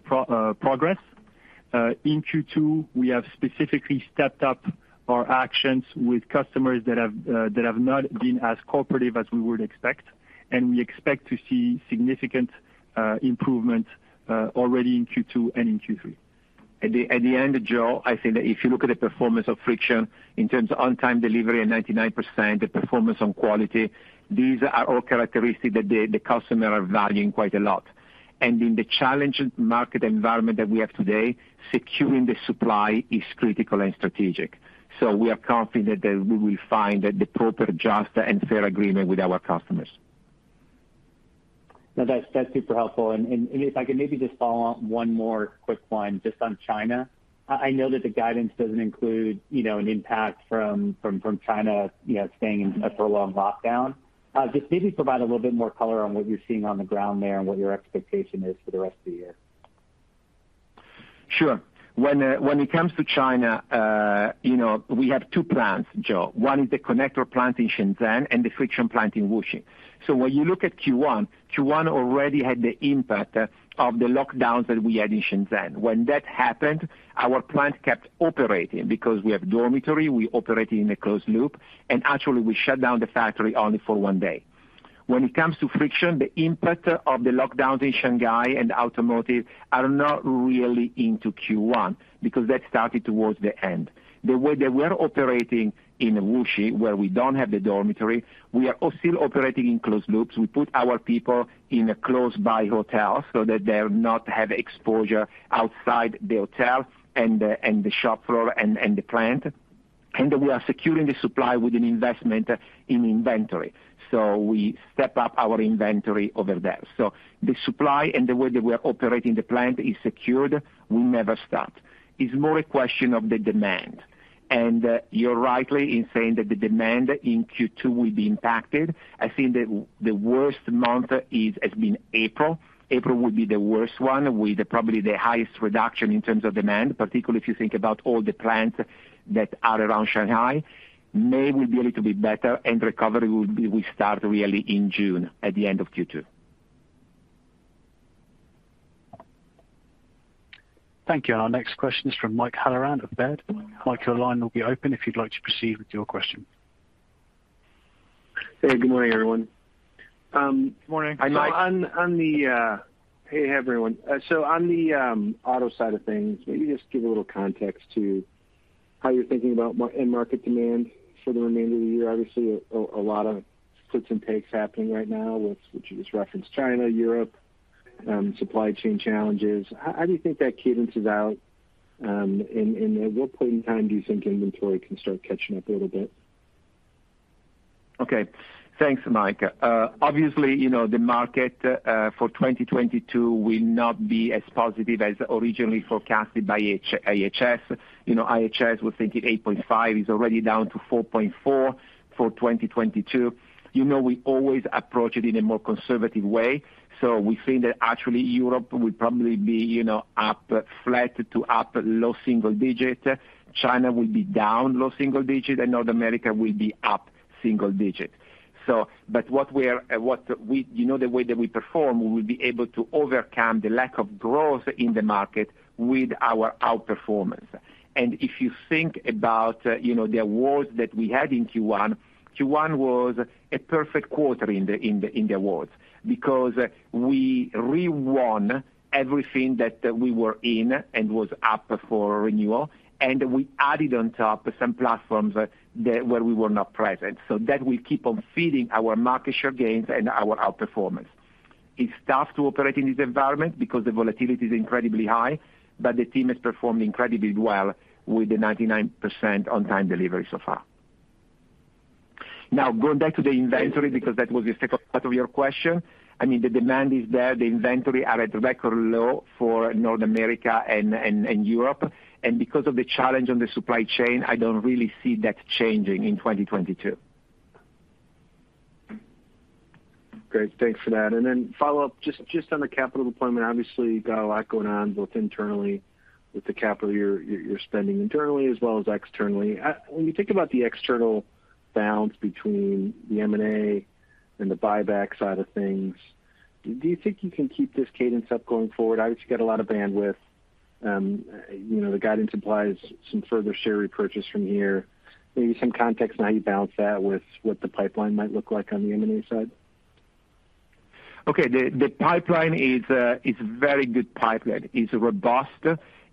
In Q2, we have specifically stepped up our actions with customers that have not been as cooperative as we would expect, and we expect to see significant improvement already in Q2 and in Q3. At the end, Joe, I think that if you look at the performance of friction in terms of on-time delivery at 99%, the performance on quality, these are all characteristics that the customer are valuing quite a lot. In the challenging market environment that we have today, securing the supply is critical and strategic. We are confident that we will find the proper, just, and fair agreement with our customers. No, that's super helpful. If I could maybe just follow up one more quick one just on China. I know that the guidance doesn't include, you know, an impact from China, you know, staying in a prolonged lockdown. Just maybe provide a little bit more color on what you're seeing on the ground there and what your expectation is for the rest of the year. Sure. When it comes to China, you know, we have two plants, Joe. One is the connector plant in Shenzhen and the friction plant in Wuxi. When you look at Q1 already had the impact of the lockdowns that we had in Shenzhen. When that happened, our plant kept operating because we have dormitory, we operate in a closed loop, and actually we shut down the factory only for one day. When it comes to friction, the impact of the lockdowns in Shanghai and automotive are not really into Q1 because that started towards the end. The way that we're operating in Wuxi, where we don't have the dormitory, we are still operating in closed loops. We put our people in a close by hotel so that they'll not have exposure outside the hotel and the shop floor and the plant. We are securing the supply with an investment in inventory. We step up our inventory over there. The supply and the way that we are operating the plant is secured. We never stop. It's more a question of the demand. You're rightly in saying that the demand in Q2 will be impacted. I think the worst month has been April. April will be the worst one with probably the highest reduction in terms of demand, particularly if you think about all the plants that are around Shanghai. May will be a little bit better and recovery will start really in June at the end of Q2. Thank you. Our next question is from Michael Halloran of Baird. Mike, your line will be open if you'd like to proceed with your question. Hey, good morning, everyone. Good morning. Hi, Mike. On, on the, uh... Hey, everyone. On the auto side of things, maybe just give a little context to how you're thinking about end market demand for the remainder of the year. Obviously, a lot of puts and takes happening right now with, which you just referenced China, Europe, supply chain challenges. How do you think that cadences out, and at what point in time do you think inventory can start catching up a little bit? Okay. Thanks, Mike. Obviously, you know, the market for 2022 will not be as positive as originally forecasted by IHS. You know, IHS was thinking 8.5%, is already down to 4.4% for 2022. You know we always approach it in a more conservative way, so we think that actually Europe will probably be, you know, up flat to up low single digits. China will be down low single digits, and North America will be up single digits. But what we're, you know, the way that we perform, we will be able to overcome the lack of growth in the market with our outperformance. If you think about, you know, the awards that we had in Q1 was a perfect quarter in the awards because we re-won everything that we were in and was up for renewal, and we added on top some platforms where we were not present. That will keep on feeding our market share gains and our outperformance. It's tough to operate in this environment because the volatility is incredibly high, but the team has performed incredibly well with the 99% on-time delivery so far. Now, going back to the inventory, because that was the second part of your question, I mean, the demand is there. The inventory are at record low for North America and Europe. Because of the challenge on the supply chain, I don't really see that changing in 2022. Great. Thanks for that. Follow-up just on the capital deployment. Obviously, you've got a lot going on, both internally with the capital you're spending internally as well as externally. When you think about the external balance between the M and A and the buyback side of things, do you think you can keep this cadence up going forward? Obviously, you got a lot of bandwidth. You know, the guidance implies some further share repurchase from here. Maybe some context on how you balance that with what the pipeline might look like on the M andA side. Okay. The pipeline is a very good pipeline. It's robust,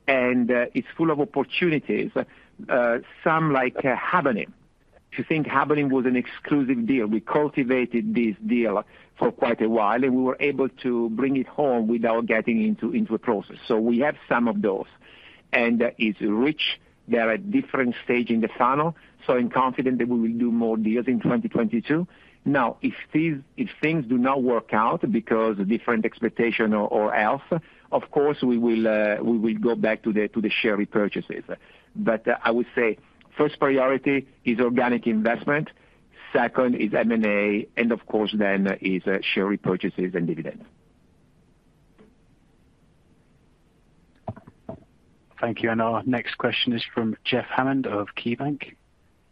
and it's full of opportunities, some like Habonim. If you think Habonim was an exclusive deal. We cultivated this deal for quite a while, and we were able to bring it home without getting into a process. We have some of those. It's rich. They're at different stage in the funnel, so I'm confident that we will do more deals in 2022. Now, if things do not work out because different expectation or else, of course, we will go back to the share repurchases. I would say first priority is organic investment, second is M and A, and of course then is share repurchases and dividends. Thank you. Our next question is from Jeffrey Hammond of KeyBank.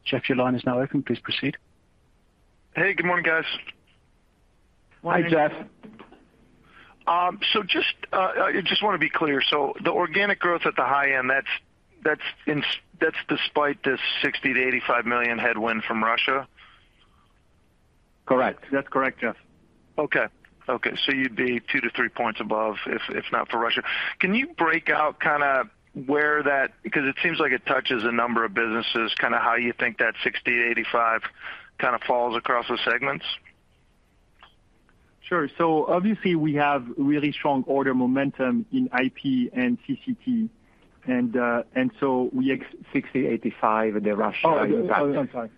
Jeff, your line is now open. Please proceed. Hey, Good morning, guys. Morning. Hi, Jeff. I just want to be clear. The organic growth at the high end, that's despite the 60 million-85 million headwind from Russia? Correct. That's correct, Jeff. Okay. You'd be two-three points above if not for Russia. Can you break out kind of where that. Because it seems like it touches a number of businesses, kind of how you think that 60-85 kind of falls across the segments? Sure. Obviously we have really strong order momentum in IP and CCT. We 60-85, the Russia impact. I'm sorry.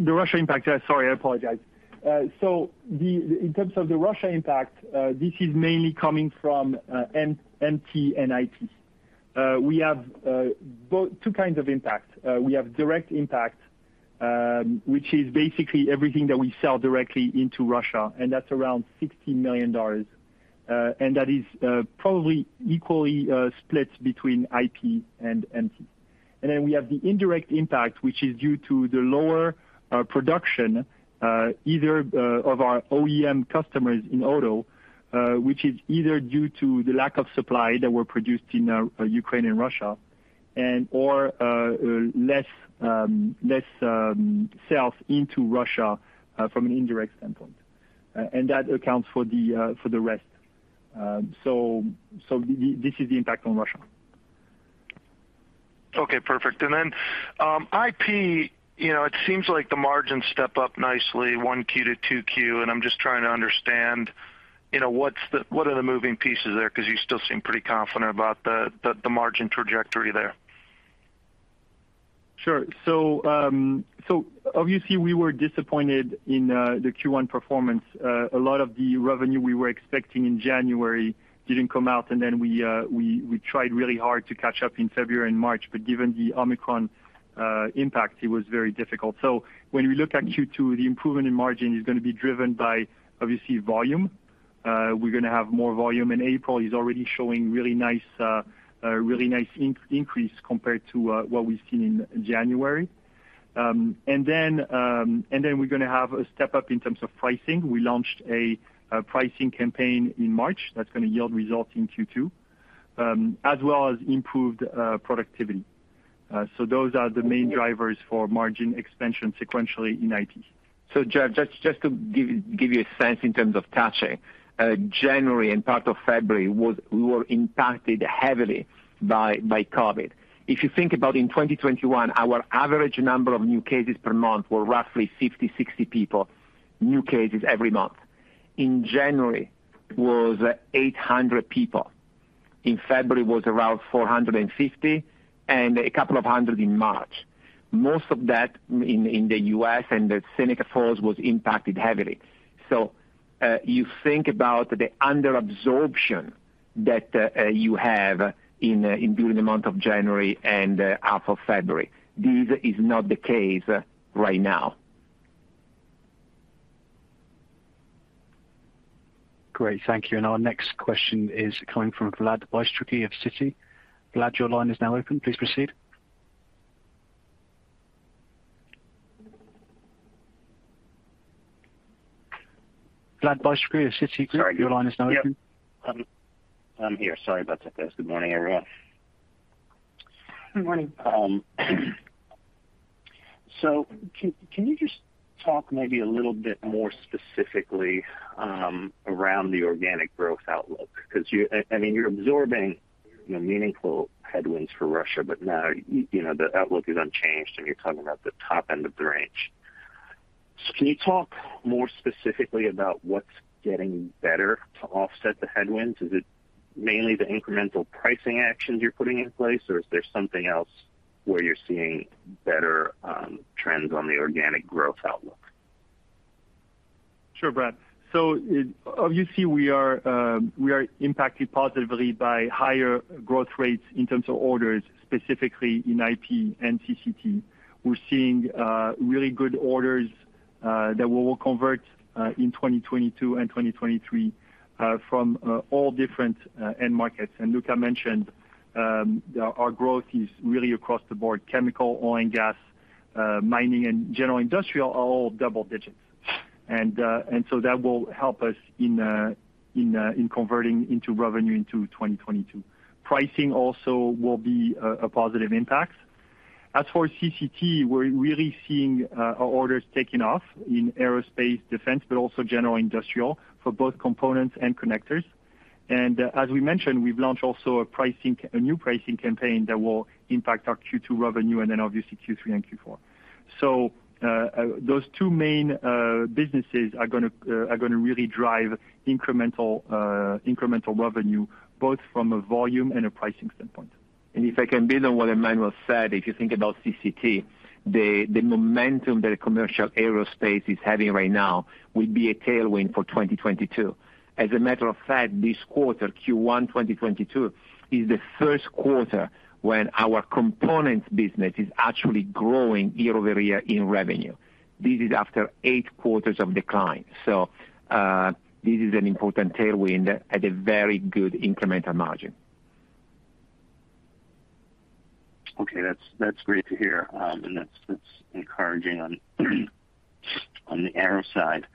The Russia impact. Sorry, I apologize. In terms of the Russia impact, this is mainly coming from MT and IP. We have two kinds of impacts. We have direct impact, which is basically everything that we sell directly into Russia, and that's around $60 million. That is probably equally split between IP and MT. We have the indirect impact, which is due to the lower production either of our OEM customers in auto, which is either due to the lack of supply that were produced in Ukraine and Russia and/or less sales into Russia from an indirect standpoint. That accounts for the rest. This is the impact on Russia. Okay, perfect. IP, you know, it seems like the margins step up nicely 1Q to 2Q, and I'm just trying to understand, you know, what are the moving pieces there 'cause you still seem pretty confident about the margin trajectory there. Sure. So obviously we were disappointed in the Q1 performance. A lot of the revenue we were expecting in January didn't come out, and then we tried really hard to catch up in February and March. Given the Omicron impact, it was very difficult. When we look at Q2, the improvement in margin is going to be driven by, obviously, volume. We're going to have more volume, and April is already showing really nice increase compared to what we've seen in January. And then we're going to have a step-up in terms of pricing. We launched a pricing campaign in March that's going to yield results in Q2, as well as improved productivity. Those are the main drivers for margin expansion sequentially in IP. Jeff, just to give you a sense in terms of touch, January and part of February we were impacted heavily by COVID. If you think about in 2021, our average number of new cases per month were roughly 50, 60 people, new cases every month. In January, it was 800 people. In February was around 450 and a couple of hundred in March. Most of that in the US and the Seneca Falls was impacted heavily. You think about the under-absorption that you have during the month of January and half of February. This is not the case right now. Great. Thank you. Our next question is coming from Vladimir Bystricky of Citi. Vlad, your line is now open. Please proceed. Vladimir Bystricky of Citigroup. Sorry. Your line is now open. Yep. I'm here. Sorry about that, guys. Good morning, everyone. Good morning. Can you just talk maybe a little bit more specifically around the organic growth outlook? 'Cause I mean, you're absorbing, you know, meaningful headwinds for Russia, but now you know, the outlook is unchanged, and you're talking about the top end of the range. Can you talk more specifically about what's getting better to offset the headwinds? Is it mainly the incremental pricing actions you're putting in place, or is there something else where you're seeing better trends on the organic growth outlook? Sure, Vlad. Obviously, we are impacted positively by higher growth rates in terms of orders, specifically in IP and CCT. We're seeing really good orders that we will convert in 2022 and 2023 from all different end markets. Luca mentioned our growth is really across the board, chemical, oil and gas, mining and general industrial are all double digits. That will help us in converting into revenue in 2022. Pricing also will be a positive impact. As for CCT, we're really seeing our orders taking off in aerospace defense, but also general industrial for both components and connectors. As we mentioned, we've launched a new pricing campaign that will impact our Q2 revenue and then obviously Q3 and Q4. Those two main businesses are going to really drive incremental revenue both from a volume and a pricing standpoint. If I can build on what Emmanuel said, if you think about CCT, the momentum that commercial aerospace is having right now will be a tailwind for 2022. As a matter of fact, this quarter, Q1 2022, is the first quarter when our components business is actually growing year-over-year in revenue. This is after eight quarters of decline. This is an important tailwind at a very good incremental margin. Okay. That's great to hear. That's encouraging on the aero side.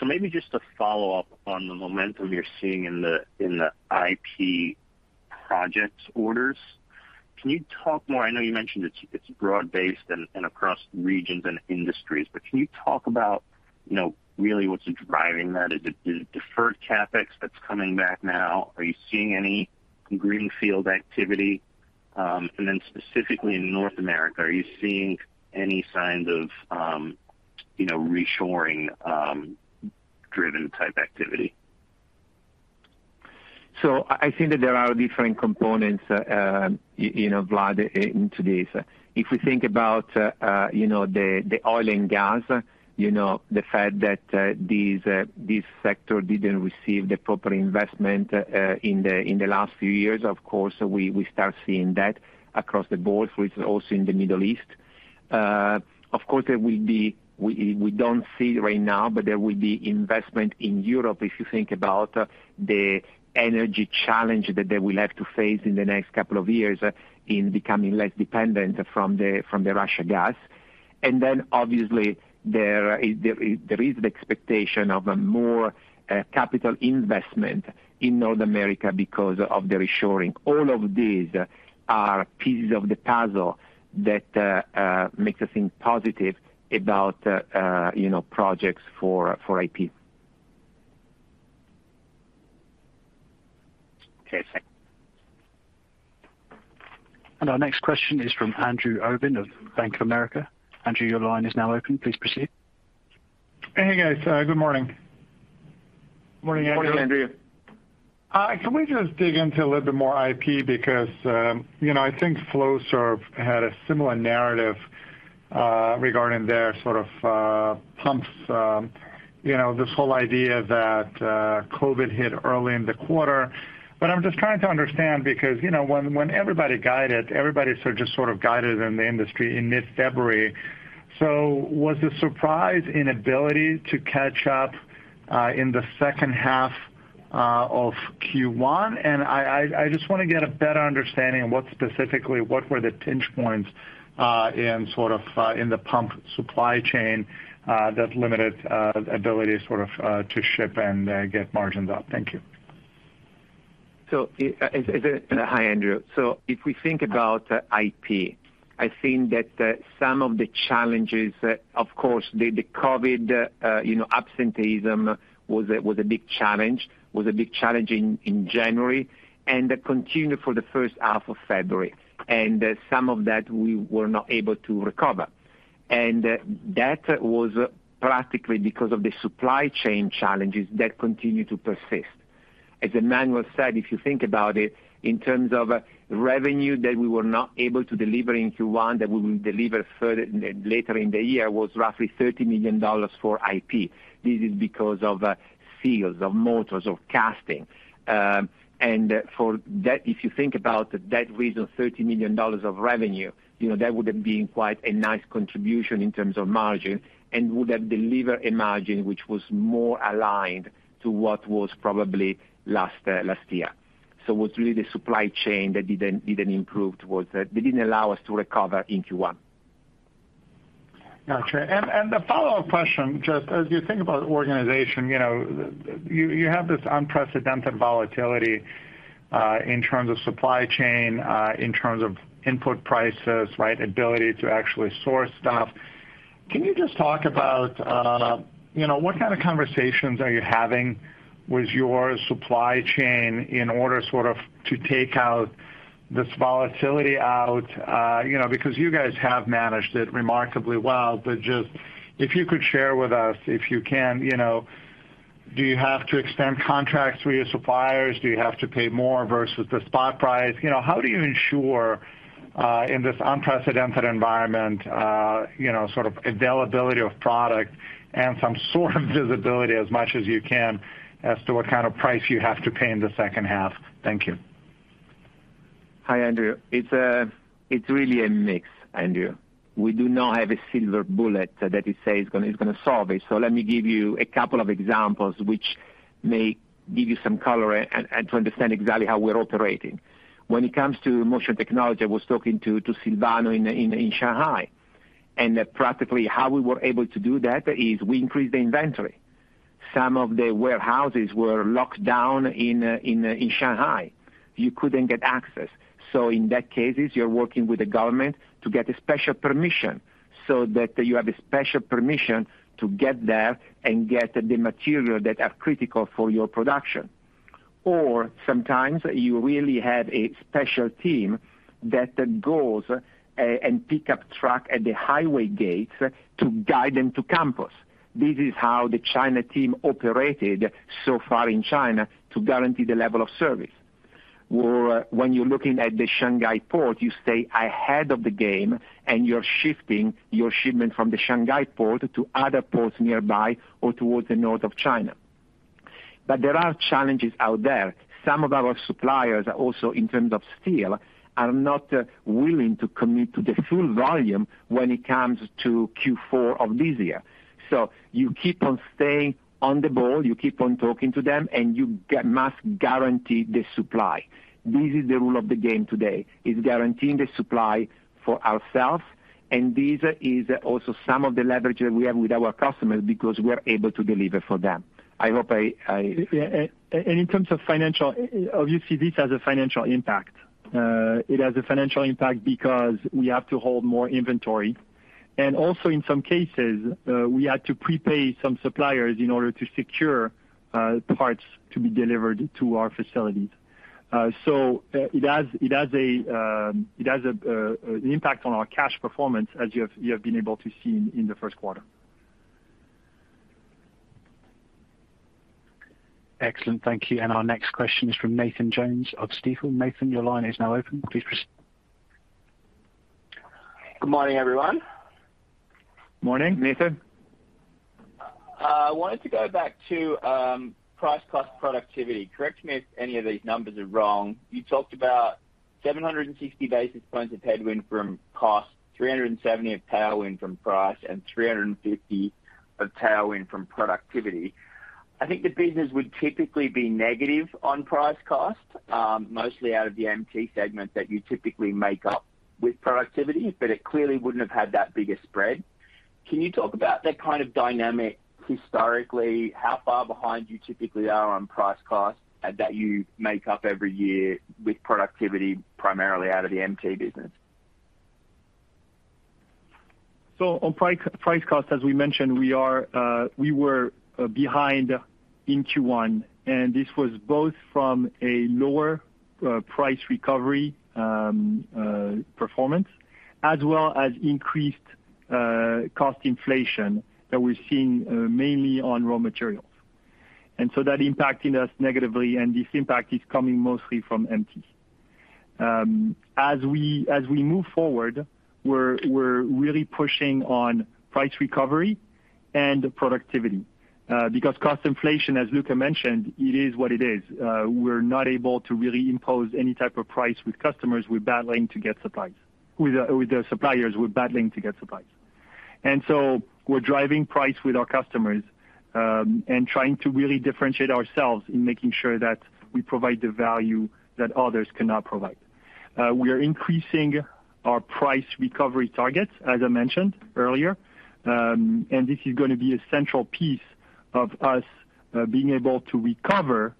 Maybe just to follow up on the momentum you're seeing in the IP projects orders, can you talk more? I know you mentioned it's broad-based and across regions and industries, but can you talk about you know really what's driving that? Is it the deferred CapEx that's coming back now? Are you seeing any greenfield activity? Then specifically in North America, are you seeing any signs of you know reshoring driven type activity? I think that there are different components, you know, Vlad, into this. If we think about, you know, the oil and gas, you know, the fact that this sector didn't receive the proper investment in the last few years, of course, we start seeing that across the board, which is also in the Middle East. Of course, we don't see right now, but there will be investment in Europe if you think about the energy challenge that they will have to face in the next couple of years in becoming less dependent from the Russian gas. Then obviously, there is the expectation of a more capital investment in North America because of the reshoring. All of these are pieces of the puzzle that makes us think positive about, you know, projects for IP. Okay. Thanks. Our next question is from Andrew Obin of Bank of America. Andrew, your line is now open. Please proceed. Hey, guys. Good morning. Morning, Andrew. Morning, Andrew. Can we just dig into a little bit more IP because, you know, I think Flowserve had a similar narrative regarding their sort of pumps, you know, this whole idea that COVID hit early in the quarter. I'm just trying to understand because, you know, when everybody sort of just guided in the industry in mid-February. Was the surprise inability to catch up in the second half of Q1? I just want to get a better understanding of what specifically were the pinch points in the pump supply chain that limited ability sort of to ship and get margins up. Thank you. Hi, Andrew. If we think about IP, I think that some of the challenges, of course, the COVID, you know, absenteeism was a big challenge in January, and continued for the first half of February. Some of that we were not able to recover. That was practically because of the supply chain challenges that continue to persist. As Emmanuel Caprais said, if you think about it, in terms of revenue that we were not able to deliver in Q1 that we will deliver later in the year was roughly $30 million for IP. This is because of seals, of motors, of casting. For that, if you think about that reason, $30 million of revenue, you know, that would have been quite a nice contribution in terms of margin and would have delivered a margin which was more aligned to what was probably last year. It was really the supply chain that didn't improve towards that. They didn't allow us to recover in Q1. Got you. The follow-up question, just as you think about organization, you know, you have this unprecedented volatility in terms of supply chain, in terms of input prices, right, ability to actually source stuff. Can you just talk about, you know, what kind of conversations are you having with your supply chain in order sort of to take out this volatility? You know, because you guys have managed it remarkably well. If you could share with us, if you can, you know, do you have to extend contracts with your suppliers? Do you have to pay more versus the spot price? You know, how do you ensure, in this unprecedented environment, you know, sort of availability of product and some sort of visibility as much as you can as to what kind of price you have to pay in the second half? Thank you. Hi, Andrew. It's really a mix, Andrew. We do not have a silver bullet that it says is going to solve it. Let me give you a couple of examples which may give you some color and to understand exactly how we're operating. When it comes to Motion Technologies, I was talking to Silvano in Shanghai. Practically how we were able to do that is we increased the inventory. Some of the warehouses were locked down in Shanghai. You couldn't get access. In that cases, you're working with the government to get a special permission so that you have a special permission to get there and get the material that are critical for your production. Sometimes you really have a special team that goes and pick up truck at the highway gate to guide them to campus. This is how the China team operated so far in China to guarantee the level of service. When you're looking at the Shanghai port, you stay ahead of the game and you're shifting your shipment from the Shanghai port to other ports nearby or towards the north of China. There are challenges out there. Some of our suppliers are also, in terms of steel, are not willing to commit to the full volume when it comes to Q4 of this year. You keep on staying on the ball, you keep on talking to them, and you must guarantee the supply. This is the rule of the game today, is guaranteeing the supply for ourselves, and this is also some of the leverage that we have with our customers because we're able to deliver for them. In terms of financial. Obviously, this has a financial impact. It has a financial impact because we have to hold more inventory. Also, in some cases, we had to prepay some suppliers in order to secure parts to be delivered to our facilities. It has an impact on our cash performance as you have been able to see in the first quarter. Excellent. Thank you. Our next question is from Nathan Jones of Stifel. Nathan, your line is now open. Please proceed. Good morning, everyone. Morning, Nathan. I wanted to go back to price cost productivity. Correct me if any of these numbers are wrong. You talked about 760 basis points of headwind from cost, 370 of tailwind from price, and 350 of tailwind from productivity. I think the business would typically be negative on price cost, mostly out of the MT segment that you typically make up with productivity, but it clearly wouldn't have had that bigger spread. Can you talk about that kind of dynamic historically, how far behind you typically are on price cost that you make up every year with productivity primarily out of the MT business? On price cost, as we mentioned, we were behind in Q1, and this was both from a lower price recovery performance as well as increased cost inflation that we're seeing mainly on raw materials. That impacting us negatively, and this impact is coming mostly from MT. As we move forward, we're really pushing on price recovery and productivity. Because cost inflation, as Luca mentioned, it is what it is. We're not able to really impose any type of price with customers. With the suppliers, we're battling to get supplies. We're driving price with our customers, and trying to really differentiate ourselves in making sure that we provide the value that others cannot provide. We are increasing our price recovery targets, as I mentioned earlier, and this is going to be a central piece of us being able to recover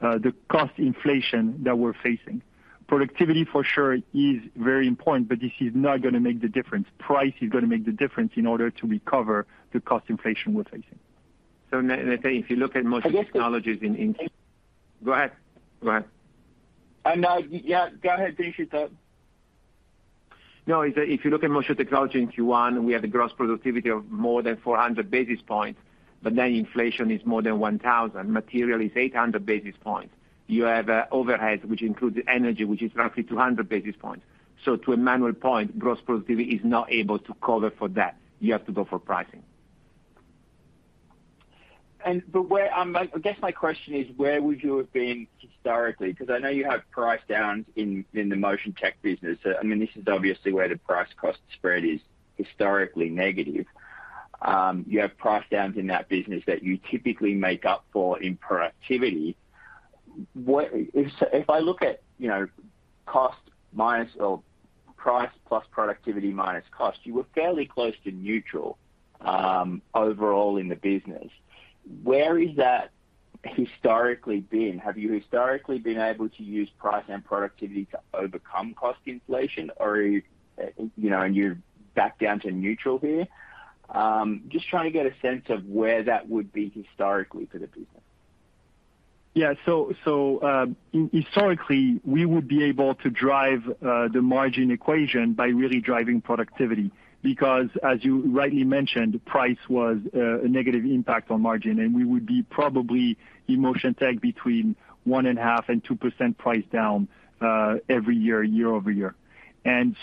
the cost inflation that we're facing. Productivity for sure is very important, but this is not going to make the difference. Price is going to make the difference in order to recover the cost inflation we're facing. Nathan, if you look at Motion Technologies in I guess the- Go ahead. Yeah, go ahead, Vincenzo. No, if you look at Motion Technologies in Q1, we have the gross productivity of more than 400 basis points, but then inflation is more than 1,000, material is 800 basis points. You have overhead, which includes energy, which is roughly 200 basis points. To Emmanuel's point, gross productivity is not able to cover for that. You have to go for pricing. I guess my question is, where would you have been historically? 'Cause I know you have price downs in the Motion Technologies business. I mean, this is obviously where the price cost spread is historically negative. You have price downs in that business that you typically make up for in productivity. What if I look at, you know, cost minus or price plus productivity minus cost, you were fairly close to neutral overall in the business. Where is that historically been? Have you historically been able to use price and productivity to overcome cost inflation, or, you know, are you back down to neutral here? Just trying to get a sense of where that would be historically for the business. Yeah. Historically, we would be able to drive the margin equation by really driving productivity because as you rightly mentioned, price was a negative impact on margin, and we would be probably in Motion Technologies between 1.5%-2% price down every year-over-year.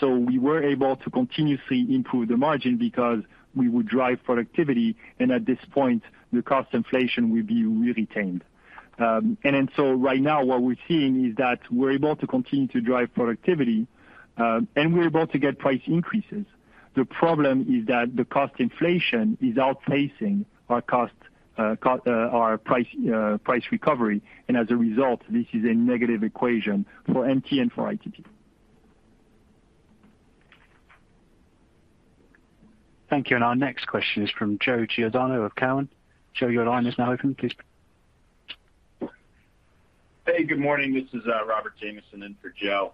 We were able to continuously improve the margin because we would drive productivity, and at this point, the cost inflation will be really tamed. Right now what we're seeing is that we're able to continue to drive productivity, and we're able to get price increases. The problem is that the cost inflation is outpacing our cost, our price recovery. As a result, this is a negative equation for MT and for ITT. Thank you. Our next question is from Joseph Giordano of TD Cowen. Joe, your line is now open. Please. Hey, good morning. This is Robert Jamieson in for Joe.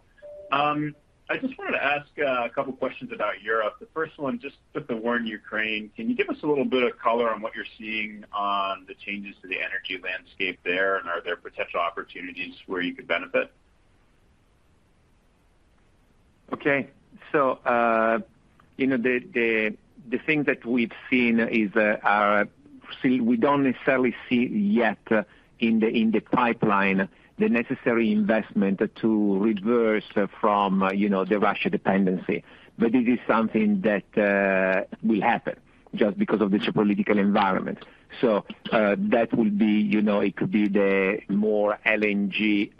I just wanted to ask a couple questions about Europe. The first one, just with the war in Ukraine, can you give us a little bit of color on what you're seeing on the changes to the energy landscape there? Are there potential opportunities where you could benefit? Okay. You know, the thing that we've seen is. See, we don't necessarily see yet in the pipeline the necessary investment to reverse from, you know, the Russia dependency. This is something that will happen just because of the geopolitical environment. That will be, you know, it could be more LNG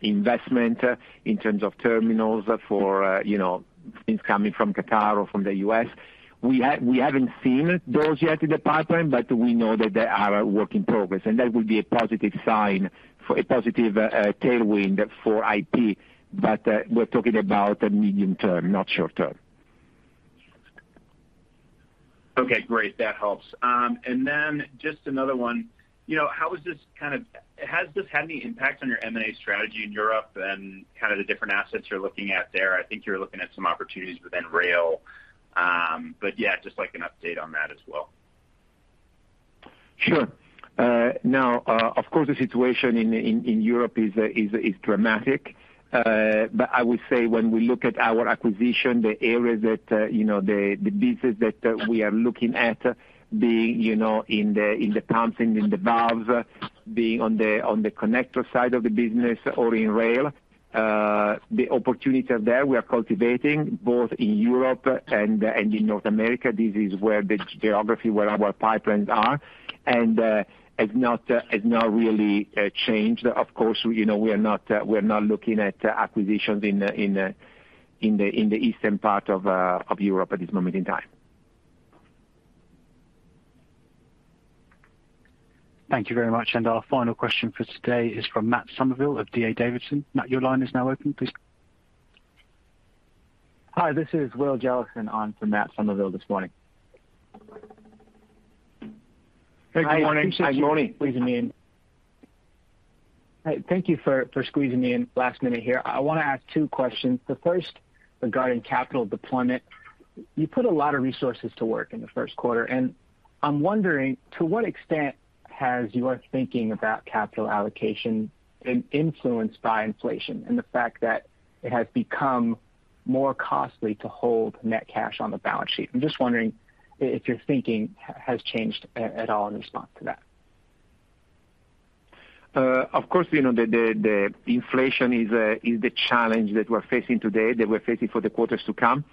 investment in terms of terminals for, you know, things coming from Qatar or from the U.S. We haven't seen those yet in the pipeline, but we know that they are a work in progress, and that would be a positive tailwind for IT. We're talking about medium-term, not short-term. Okay, great. That helps. Just another one. You know, has this had any impact on your M and A strategy in Europe and kind of the different assets you're looking at there? I think you're looking at some opportunities within rail. Yeah, just like an update on that as well. Sure. Now, of course, the situation in Europe is dramatic. I would say when we look at our acquisition, the areas that, you know, the business that we are looking at being, you know, in the pumps and in the valves, being on the connector side of the business or in rail, the opportunities are there. We are cultivating both in Europe and in North America. This is where the geography, where our pipelines are, and has not really changed. Of course, you know, we are not looking at acquisitions in the eastern part of Europe at this moment in time. Thank you very much. Our final question for today is from Matt Summerville of D.A. Davidson. Matt, your line is now open. Please. Hi, this is Will Jellison on for Matt Summerville this morning. Hey, good morning. Hi, appreciate you. Good morning. Hey, thank you for squeezing me in last minute here. I want to ask two questions. The first regarding capital deployment. You put a lot of resources to work in the first quarter, and I'm wondering to what extent has your thinking about capital allocation been influenced by inflation and the fact that it has become more costly to hold net cash on the balance sheet. I'm just wondering if your thinking has changed at all in response to that. Of course, you know, the inflation is the challenge that we're facing today for the quarters to come.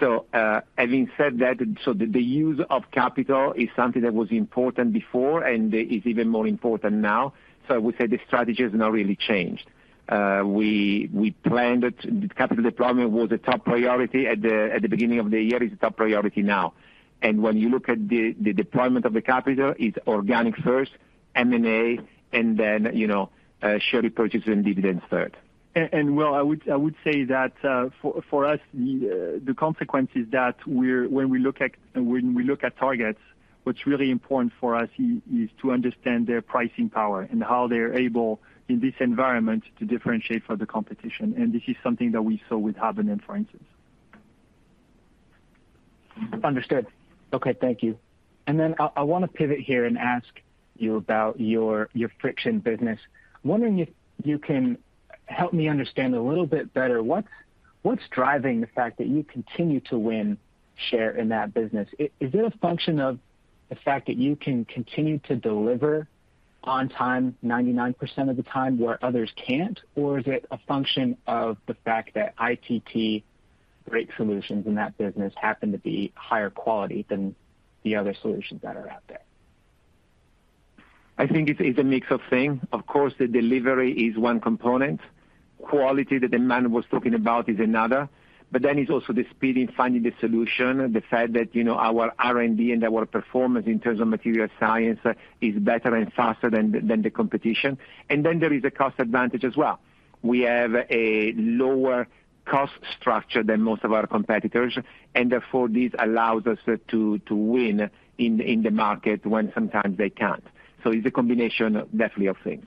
Having said that, the use of capital is something that was important before and is even more important now. I would say the strategy has not really changed. We planned it. The capital deployment was a top priority at the beginning of the year. It's a top priority now. When you look at the deployment of the capital, it's organic first, M and A, and then, you know, share repurchase and dividends third. Will, I would say that for us, the consequence is that when we look at targets, what's really important for us is to understand their pricing power and how they're able, in this environment, to differentiate from the competition. This is something that we saw with Habonim, for instance. Understood. Okay, thank you. Then I want to pivot here and ask you about your friction business. I'm wondering if you can help me understand a little bit better what's driving the fact that you continue to win share in that business. Is it a function of the fact that you can continue to deliver on time 99% of the time where others can't? Or is it a function of the fact that ITT's great solutions in that business happen to be higher quality than the other solutions that are out there? I think it's a mix of things. Of course, the delivery is one component. Quality that Emmanuel was talking about is another. It's also the speed in finding the solution, the fact that, you know, our R&D and our performance in terms of material science is better and faster than the competition. There is a cost advantage as well. We have a lower cost structure than most of our competitors, and therefore this allows us to win in the market when sometimes they can't. It's a combination definitely of things.